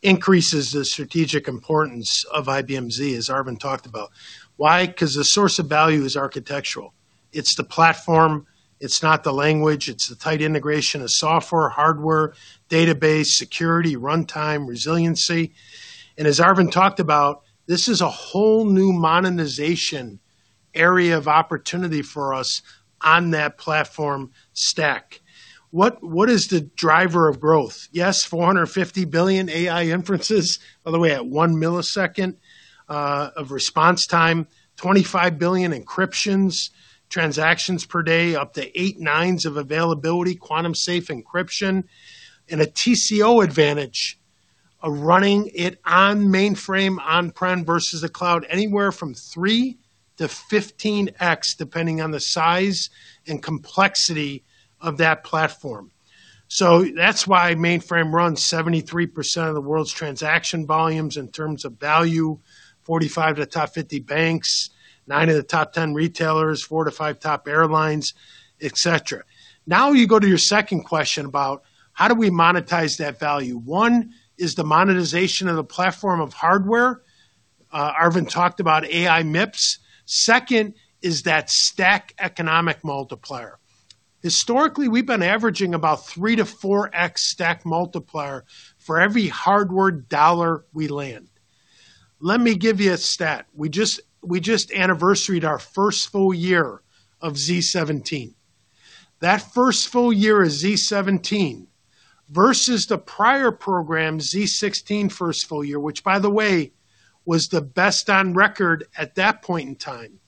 D: increases the strategic importance of IBM Z, as Arvind talked about. Why? Because the source of value is architectural. It's the platform. It's not the language. It's the tight integration of software, hardware, database, security, runtime, resiliency. As Arvind talked about, this is a whole new monetization area of opportunity for us on that platform stack. What is the driver of growth? Yes, 450 billion AI inferences, by the way, at 1 millisecond of response time, 25 billion encryptions, transactions per day up to eight nines of availability, quantum safe encryption, and a TCO advantage of running it on mainframe, on-prem versus the cloud, anywhere from 3x-15x, depending on the size and complexity of that platform. That's why mainframe runs 73% of the world's transaction volumes in terms of value, 45 of the top 50 banks, nine of the top 10 retailers, four to five top airlines, et cetera. Now you go to your second question about how do we monetize that value. One is the monetization of the platform of hardware. Arvind talked about AI MIPS. Second is that stack economic multiplier. Historically, we've been averaging about 3x-4x stack multiplier for every hardware dollar we land. Let me give you a stat. We just anniversaried our first full year of z17. That first full year of z17 versus the prior program, Z16 first full year, which by the way, was the best on record at that point in time.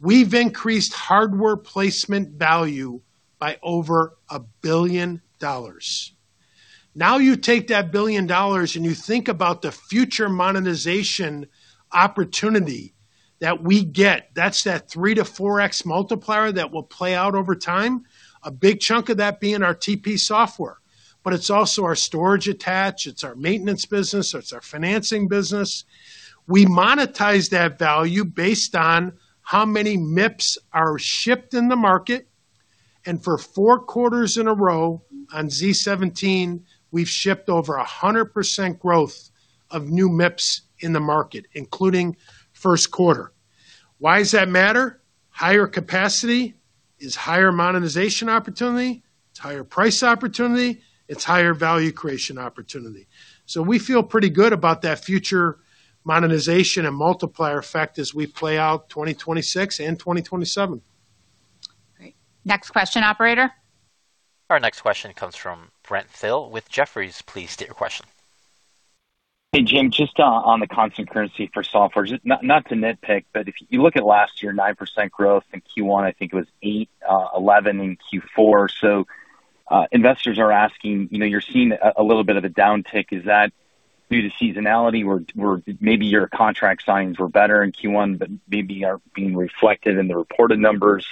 D: We've increased hardware placement value by over $1 billion. XNow you take that $1 billion and you think about the future monetization opportunity that we get. That's that 3x-4x multiplier that will play out over time. A big chunk of that being our TP software, but it's also our storage attach, it's our maintenance business, it's our financing business. We monetize that value based on how many MIPS are shipped in the market. For four quarters in a row on z17, we've shipped over 100% growth of new MIPS in the market, including first quarter. Why does that matter? Higher capacity is higher monetization opportunity, it's higher price opportunity, it's higher value creation opportunity. We feel pretty good about that future monetization and multiplier effect as we play out 2026 and 2027.
B: Great. Next question, operator.
A: Our next question comes from Brent Thill with Jefferies. Please state your question.
I: Hey, Jim, just on the constant currency for software, just not to nitpick, but if you look at last year, 9% growth in Q1, I think it was 11% in Q4. Investors are asking, you're seeing a little bit of a downtick. Is that due to seasonality where maybe your contract signings were better in Q1 but maybe are being reflected in the reported numbers?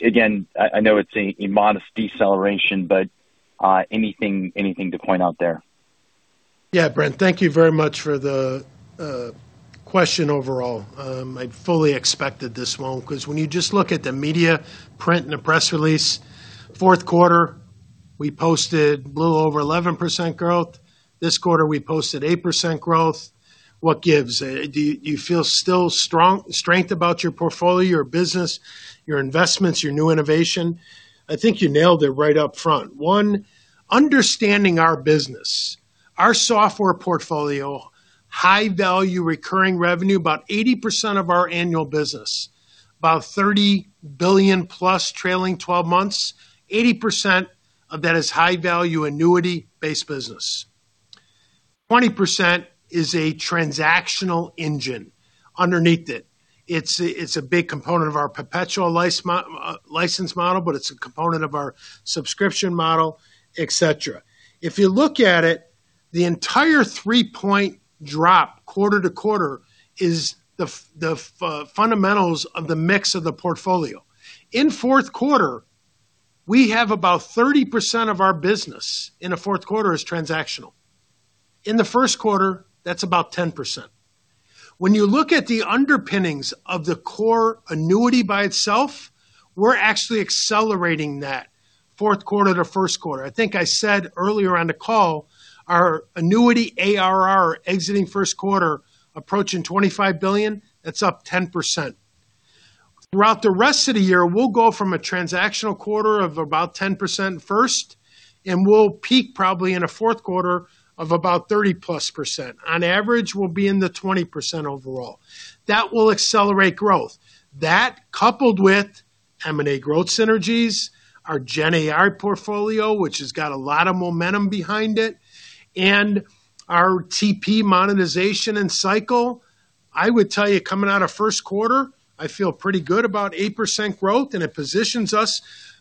I: Again, I know it's a modest deceleration, but anything to point out there?
D: Yeah. Brent, thank you very much for the question overall. I fully expected this one because when you just look at the media print and the press release, fourth quarter, we posted a little over 11% growth. This quarter, we posted 8% growth. What gives? Do you feel still strength about your portfolio, your business, your investments, your new innovation? I think you nailed it right up front. One, understanding our business, our software portfolio, high-value recurring revenue, about 80% of our annual business. About $30 billion-plus trailing 12 months. 80% of that is high-value annuity-based business. 20% is a transactional engine underneath it. It's a big component of our perpetual license model, but it's a component of our subscription model, et cetera. If you look at it, the entire three-point drop quarter to quarter is the fundamentals of the mix of the portfolio. In the fourth quarter, we have about 30% of our business. In the fourth quarter, it is transactional. In the first quarter, that's about 10%. When you look at the underpinnings of the core annuity by itself, we're actually accelerating that fourth quarter to first quarter. I think I said earlier on the call, our annuity ARR exiting first quarter approaching $25 billion. That's up 10%. Throughout the rest of the year, we'll go from a transactional quarter of about 10% first, and we'll peak probably in a fourth quarter of about 30%+. On average, we'll be in the 20% overall. That will accelerate growth. That coupled with M&A growth synergies, our GenAI portfolio, which has got a lot of momentum behind it, and our TP monetization and cycle, I would tell you, coming out of first quarter, I feel pretty good about 8% growth and it positions us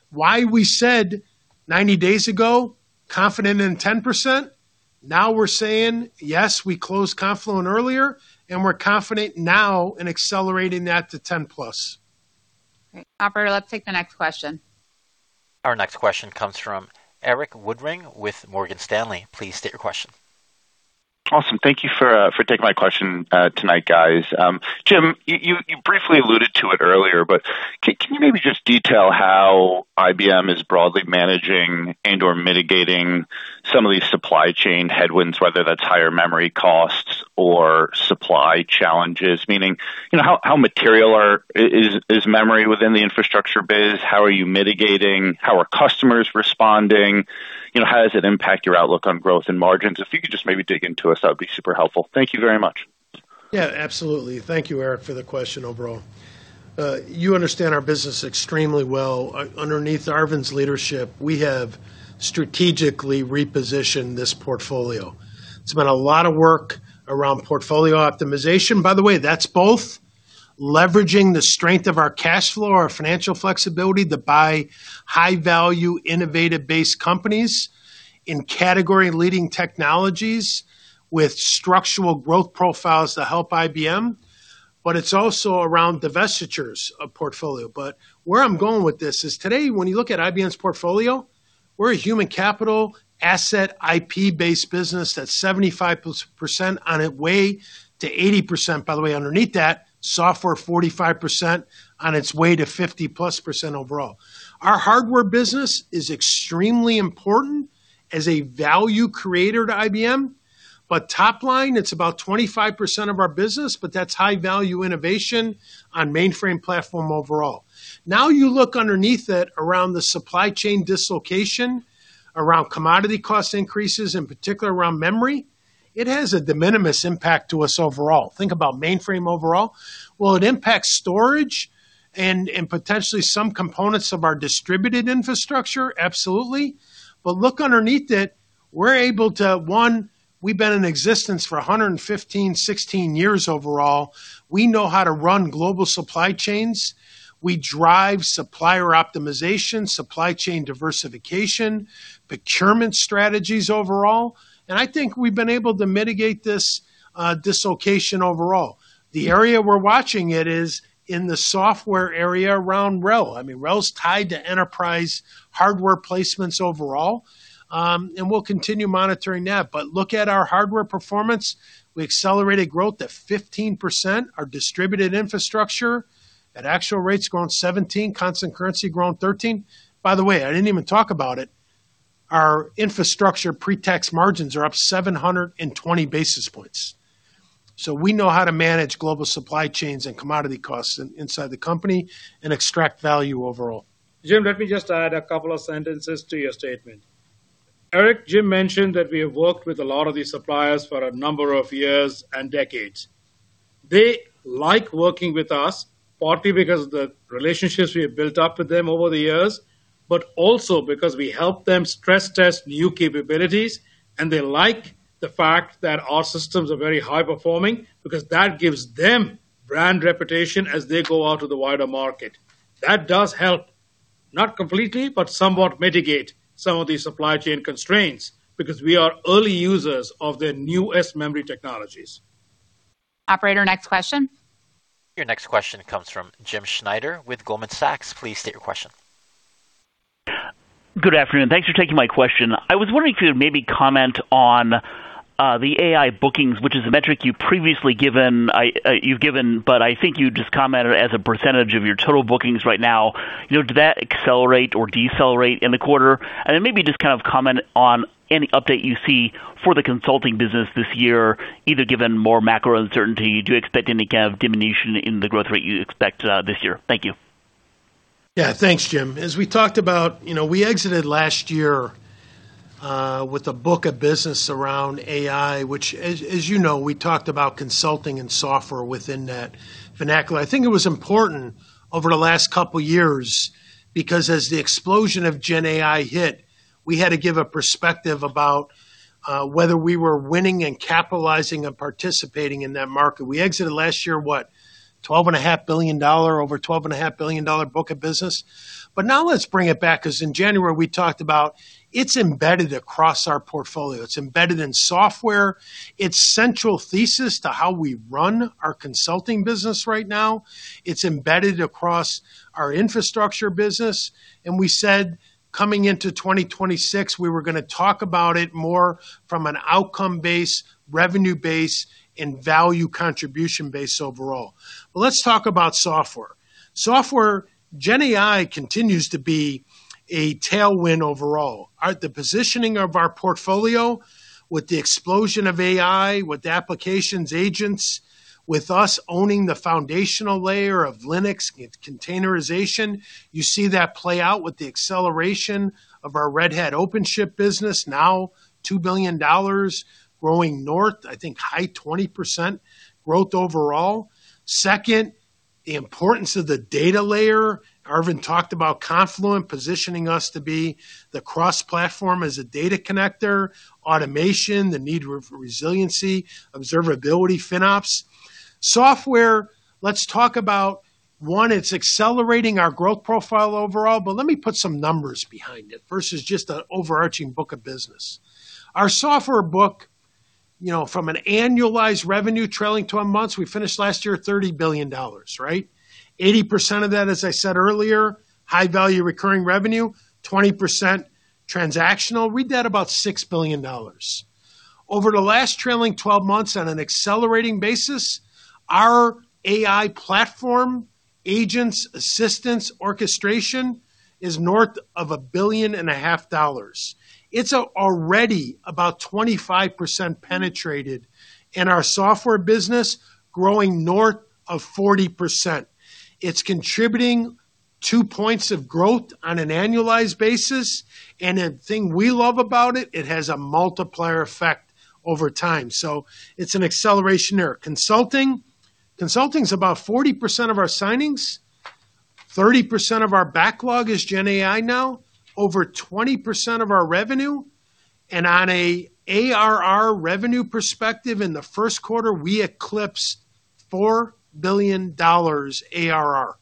D: why we said 90 days ago, confident in 10%. Now we're saying, yes, we closed Confluent earlier, and we're confident now in accelerating that to 10%+.
B: Great. Operator, let's take the next question.
A: Our next question comes from Erik Woodring with Morgan Stanley. Please state your question.
J: Awesome. Thank you for taking my question tonight, guys. Jim, you briefly alluded to it earlier, but can you maybe just detail how IBM is broadly managing and/or mitigating some of these supply chain headwinds, whether that's higher memory costs or supply challenges? Meaning, how material is memory within the infrastructure biz? How are you mitigating? How are customers responding? How does it impact your outlook on growth and margins? If you could just maybe dig into it, that would be super helpful. Thank you very much.
D: Yeah, absolutely. Thank you, Erik, for the question overall. You understand our business extremely well. Underneath Arvind's leadership, we have strategically repositioned this portfolio. It's been a lot of work around portfolio optimization. By the way, that's both leveraging the strength of our cash flow, our financial flexibility to buy high-value, innovative-based companies in category-leading technologies with structural growth profiles to help IBM. But it's also around divestitures of portfolio. But where I'm going with this is today, when you look at IBM's portfolio, we're a human capital asset, IP-based business that's 75% on its way to 80%. By the way, underneath that, software, 45% on its way to 50+% overall. Our hardware business is extremely important as a value creator to IBM, but top line, it's about 25% of our business, but that's high-value innovation on mainframe platform overall. Now you look underneath it around the supply chain dislocation, around commodity cost increases, in particular around memory, it has a de minimis impact to us overall. Think about mainframe overall. Will it impact storage and potentially some components of our distributed infrastructure? Absolutely. Look underneath it, we're able to, one, we've been in existence for 115, 116 years overall. We know how to run global supply chains. We drive supplier optimization, supply chain diversification, procurement strategies overall. I think we've been able to mitigate this dislocation overall. The area we're watching it is in the software area around RHEL. I mean, RHEL's tied to enterprise hardware placements overall, and we'll continue monitoring that. Look at our hardware performance. We accelerated growth to 15%. Our distributed infrastructure at actual rates grown 17%, constant currency grown 13%. By the way, I didn't even talk about it, our infrastructure pre-tax margins are up 720 basis points. We know how to manage global supply chains and commodity costs inside the company and extract value overall.
C: Jim, let me just add a couple of sentences to your statement. Erik, Jim mentioned that we have worked with a lot of these suppliers for a number of years and decades. They like working with us, partly because the relationships we have built up with them over the years, but also because we help them stress test new capabilities, and they like the fact that our systems are very high-performing because that gives them brand reputation as they go out to the wider market. That does help, not completely, but somewhat mitigate some of these supply chain constraints because we are early users of their newest memory technologies.
B: Operator, next question.
A: Your next question comes from Jim Schneider with Goldman Sachs. Please state your question.
K: Good afternoon. Thanks for taking my question. I was wondering if you would maybe comment on the AI bookings, which is a metric you've given, but I think you just commented as a percentage of your total bookings right now. Does that accelerate or decelerate in the quarter? Then maybe just kind of comment on any update you see for the consulting business this year, either given more macro uncertainty, do you expect any kind of diminution in the growth rate you expect this year? Thank you.
D: Yeah, thanks, Jim. As we talked about, we exited last year, with a book of business around AI, which, as you know, we talked about consulting and software within that vernacular. I think it was important over the last couple of years, because as the explosion of GenAI hit, we had to give a perspective about whether we were winning and capitalizing and participating in that market. We exited last year, what, over $12.5 billion book of business. Now let's bring it back, because in January, we talked about it's embedded across our portfolio. It's embedded in software. It's central thesis to how we run our consulting business right now. It's embedded across our infrastructure business. We said coming into 2026, we were going to talk about it more from an outcome-based, revenue-based, and value contribution-based overall. Let's talk about software. Software, GenAI continues to be a tailwind overall. The positioning of our portfolio with the explosion of AI, with the applications agents, with us owning the foundational layer of Linux containerization, you see that play out with the acceleration of our Red Hat OpenShift business, now $2 billion, growing north, I think high 20% growth overall. Second, the importance of the data layer. Arvind talked about Confluent positioning us to be the cross-platform as a data connector, automation, the need for resiliency, observability, FinOps. Software, let's talk about, one, it's accelerating our growth profile overall, but let me put some numbers behind it versus just an overarching book of business. Our software book, from an annualized revenue trailing 12 months, we finished last year at $30 billion, right? 80% of that, as I said earlier, high-value recurring revenue, 20% transactional. That reads about $6 billion. Over the last trailing 12 months on an accelerating basis, our AI platform, agents, assistants, orchestration, is north of $1.5 billion. It's already about 25% penetrated, and our software business growing north of 40%. It's contributing 2 points of growth on an annualized basis, and the thing we love about it has a multiplier effect over time. It's an acceleration there. Consulting is about 40% of our signings. 30% of our backlog is GenAI now. Over 20% of our revenue. On a ARR revenue perspective, in the first quarter, we eclipsed $4 billion ARR.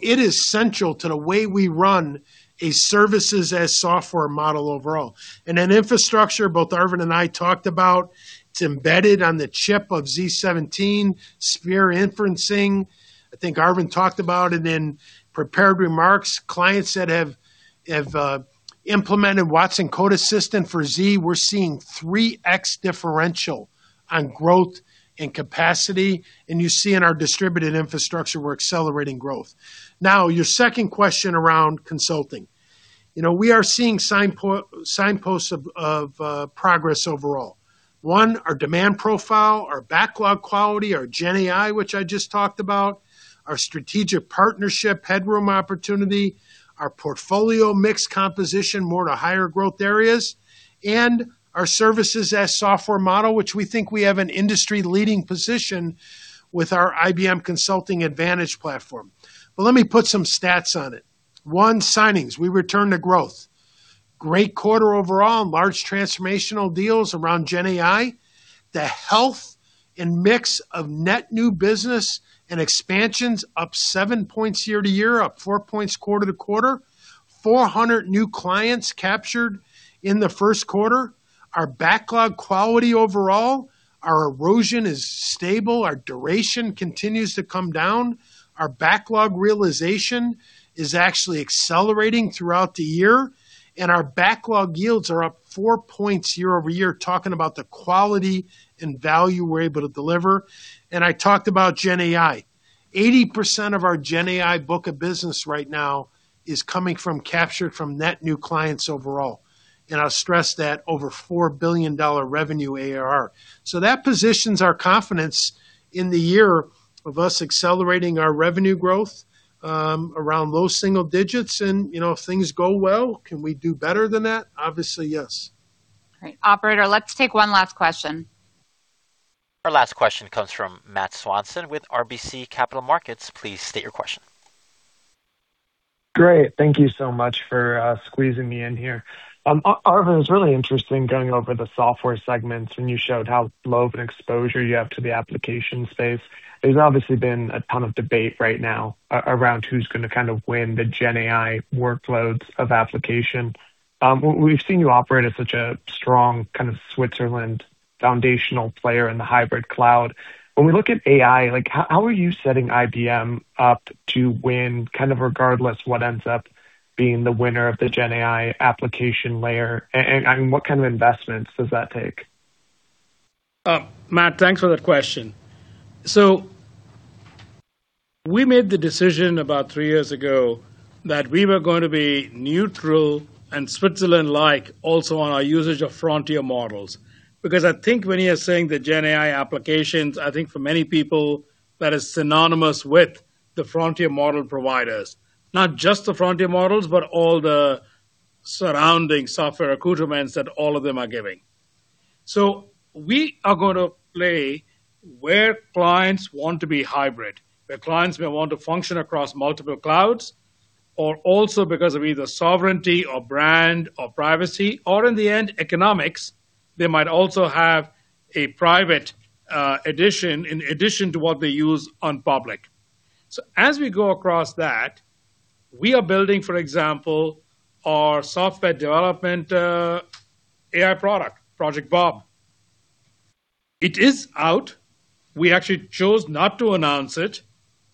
D: It is central to the way we run a services as software model overall. Then infrastructure, both Arvind and I talked about, it's embedded on the chip of z17, Spyre inferencing. I think Arvind talked about it in prepared remarks. Clients that have implemented watsonx Code Assistant for Z, we're seeing 3x differential on growth and capacity, and you see in our distributed infrastructure, we're accelerating growth. Now, your second question around consulting. We are seeing signposts of progress overall. One, our demand profile, our backlog quality, our GenAI, which I just talked about, our strategic partnership headroom opportunity, our portfolio mix composition, more to higher growth areas, and our services as software model, which we think we have an industry-leading position with our IBM Consulting Advantage Platform. Let me put some stats on it. One, signings. We return to growth. Great quarter overall on large transformational deals around GenAI. The health and mix of net new business and expansions up 7 points year-over-year, up 4 points quarter-over-quarter. 400 new clients captured in the first quarter. Our backlog quality overall, our erosion is stable, our duration continues to come down. Our backlog realization is actually accelerating throughout the year. Our backlog yields are up 4 points year-over-year, talking about the quality and value we're able to deliver. I talked about GenAI. 80% of our GenAI book of business right now is coming from captured net new clients overall. I'll stress that over $4 billion revenue ARR. That positions our confidence in the year of us accelerating our revenue growth, around low single digits. If things go well, can we do better than that? Obviously, yes.
B: Great. Operator, let's take one last question.
A: Our last question comes from Matt Swanson with RBC Capital Markets. Please state your question.
L: Great. Thank you so much for squeezing me in here. Arvind, it was really interesting going over the software segments and you showed how low of an exposure you have to the application space. There's obviously been a ton of debate right now around who's going to kind of win the GenAI workloads of application. We've seen you operate as such a strong kind of Switzerland foundational player in the hybrid cloud. When we look at AI, how are you setting IBM up to win, kind of regardless what ends up being the winner of the GenAI application layer? What kind of investments does that take?
C: Matt, thanks for that question. We made the decision about three years ago that we were going to be neutral and Switzerland-like also on our usage of frontier models. Because I think when you're saying the GenAI applications, I think for many people, that is synonymous with the frontier model providers. Not just the frontier models, but all the surrounding software accoutrements that all of them are giving. We are going to play where clients want to be hybrid, where clients may want to function across multiple clouds, or also because of either sovereignty or brand or privacy, or in the end, economics. They might also have a private edition in addition to what they use on public. As we go across that, we are building, for example, our software development, AI product, Project Bob. It is out. We actually chose not to announce it.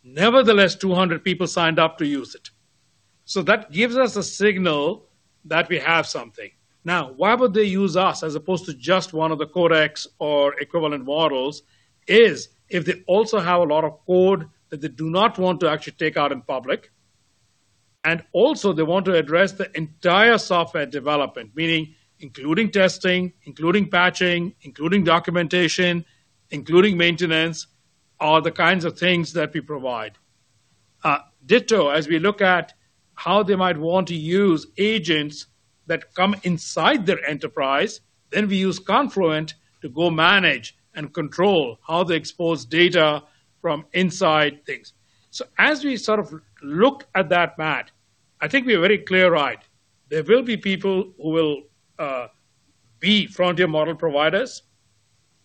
C: Nevertheless, 200 people signed up to use it. That gives us a signal that we have something. Now, why would they use us as opposed to just one of the Codex or equivalent models is if they also have a lot of code that they do not want to actually take out in public, and also they want to address the entire software development. Meaning including testing, including patching, including documentation, including maintenance, are the kinds of things that we provide. Ditto, as we look at how they might want to use agents that come inside their enterprise, then we use Confluent to go manage and control how they expose data from inside things. As we sort of look at that, Matt, I think we are very clear-eyed. There will be people who will be frontier model providers.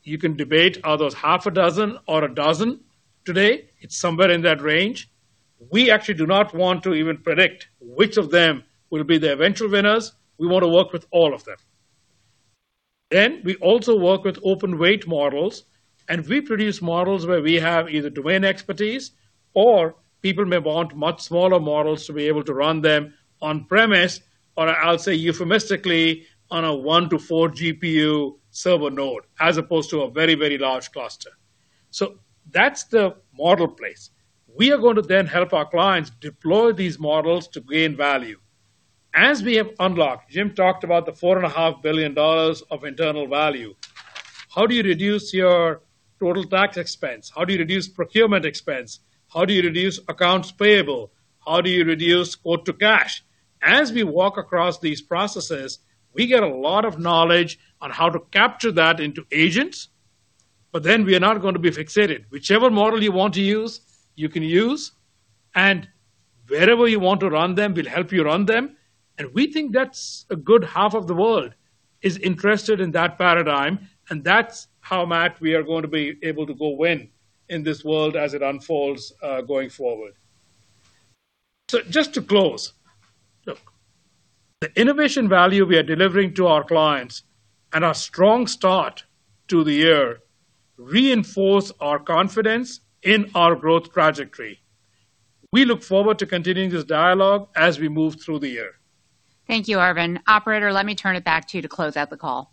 C: You can debate, are those half a dozen or a dozen today? It's somewhere in that range. We actually do not want to even predict which of them will be the eventual winners. We want to work with all of them. We also work with open weight models, and we produce models where we have either domain expertise or people may want much smaller models to be able to run them on-premises, or I'll say euphemistically, on a one to four GPU server node as opposed to a very, very large cluster. That's the model space. We are going to then help our clients deploy these models to gain value. As we have unlocked, Jim talked about the $4.5 billion of internal value. How do you reduce your total tax expense? How do you reduce procurement expense? How do you reduce accounts payable? How do you reduce quote to cash? As we walk across these processes, we get a lot of knowledge on how to capture that into agents, but then we are not going to be fixated. Whichever model you want to use, you can use, and wherever you want to run them, we'll help you run them, and we think that's a good half of the world is interested in that paradigm, and that's how, Matt, we are going to be able to go win in this world as it unfolds, going forward. Just to close. Look, the innovation value we are delivering to our clients and our strong start to the year reinforce our confidence in our growth trajectory. We look forward to continuing this dialogue as we move through the year.
B: Thank you, Arvind. Operator, let me turn it back to you to close out the call.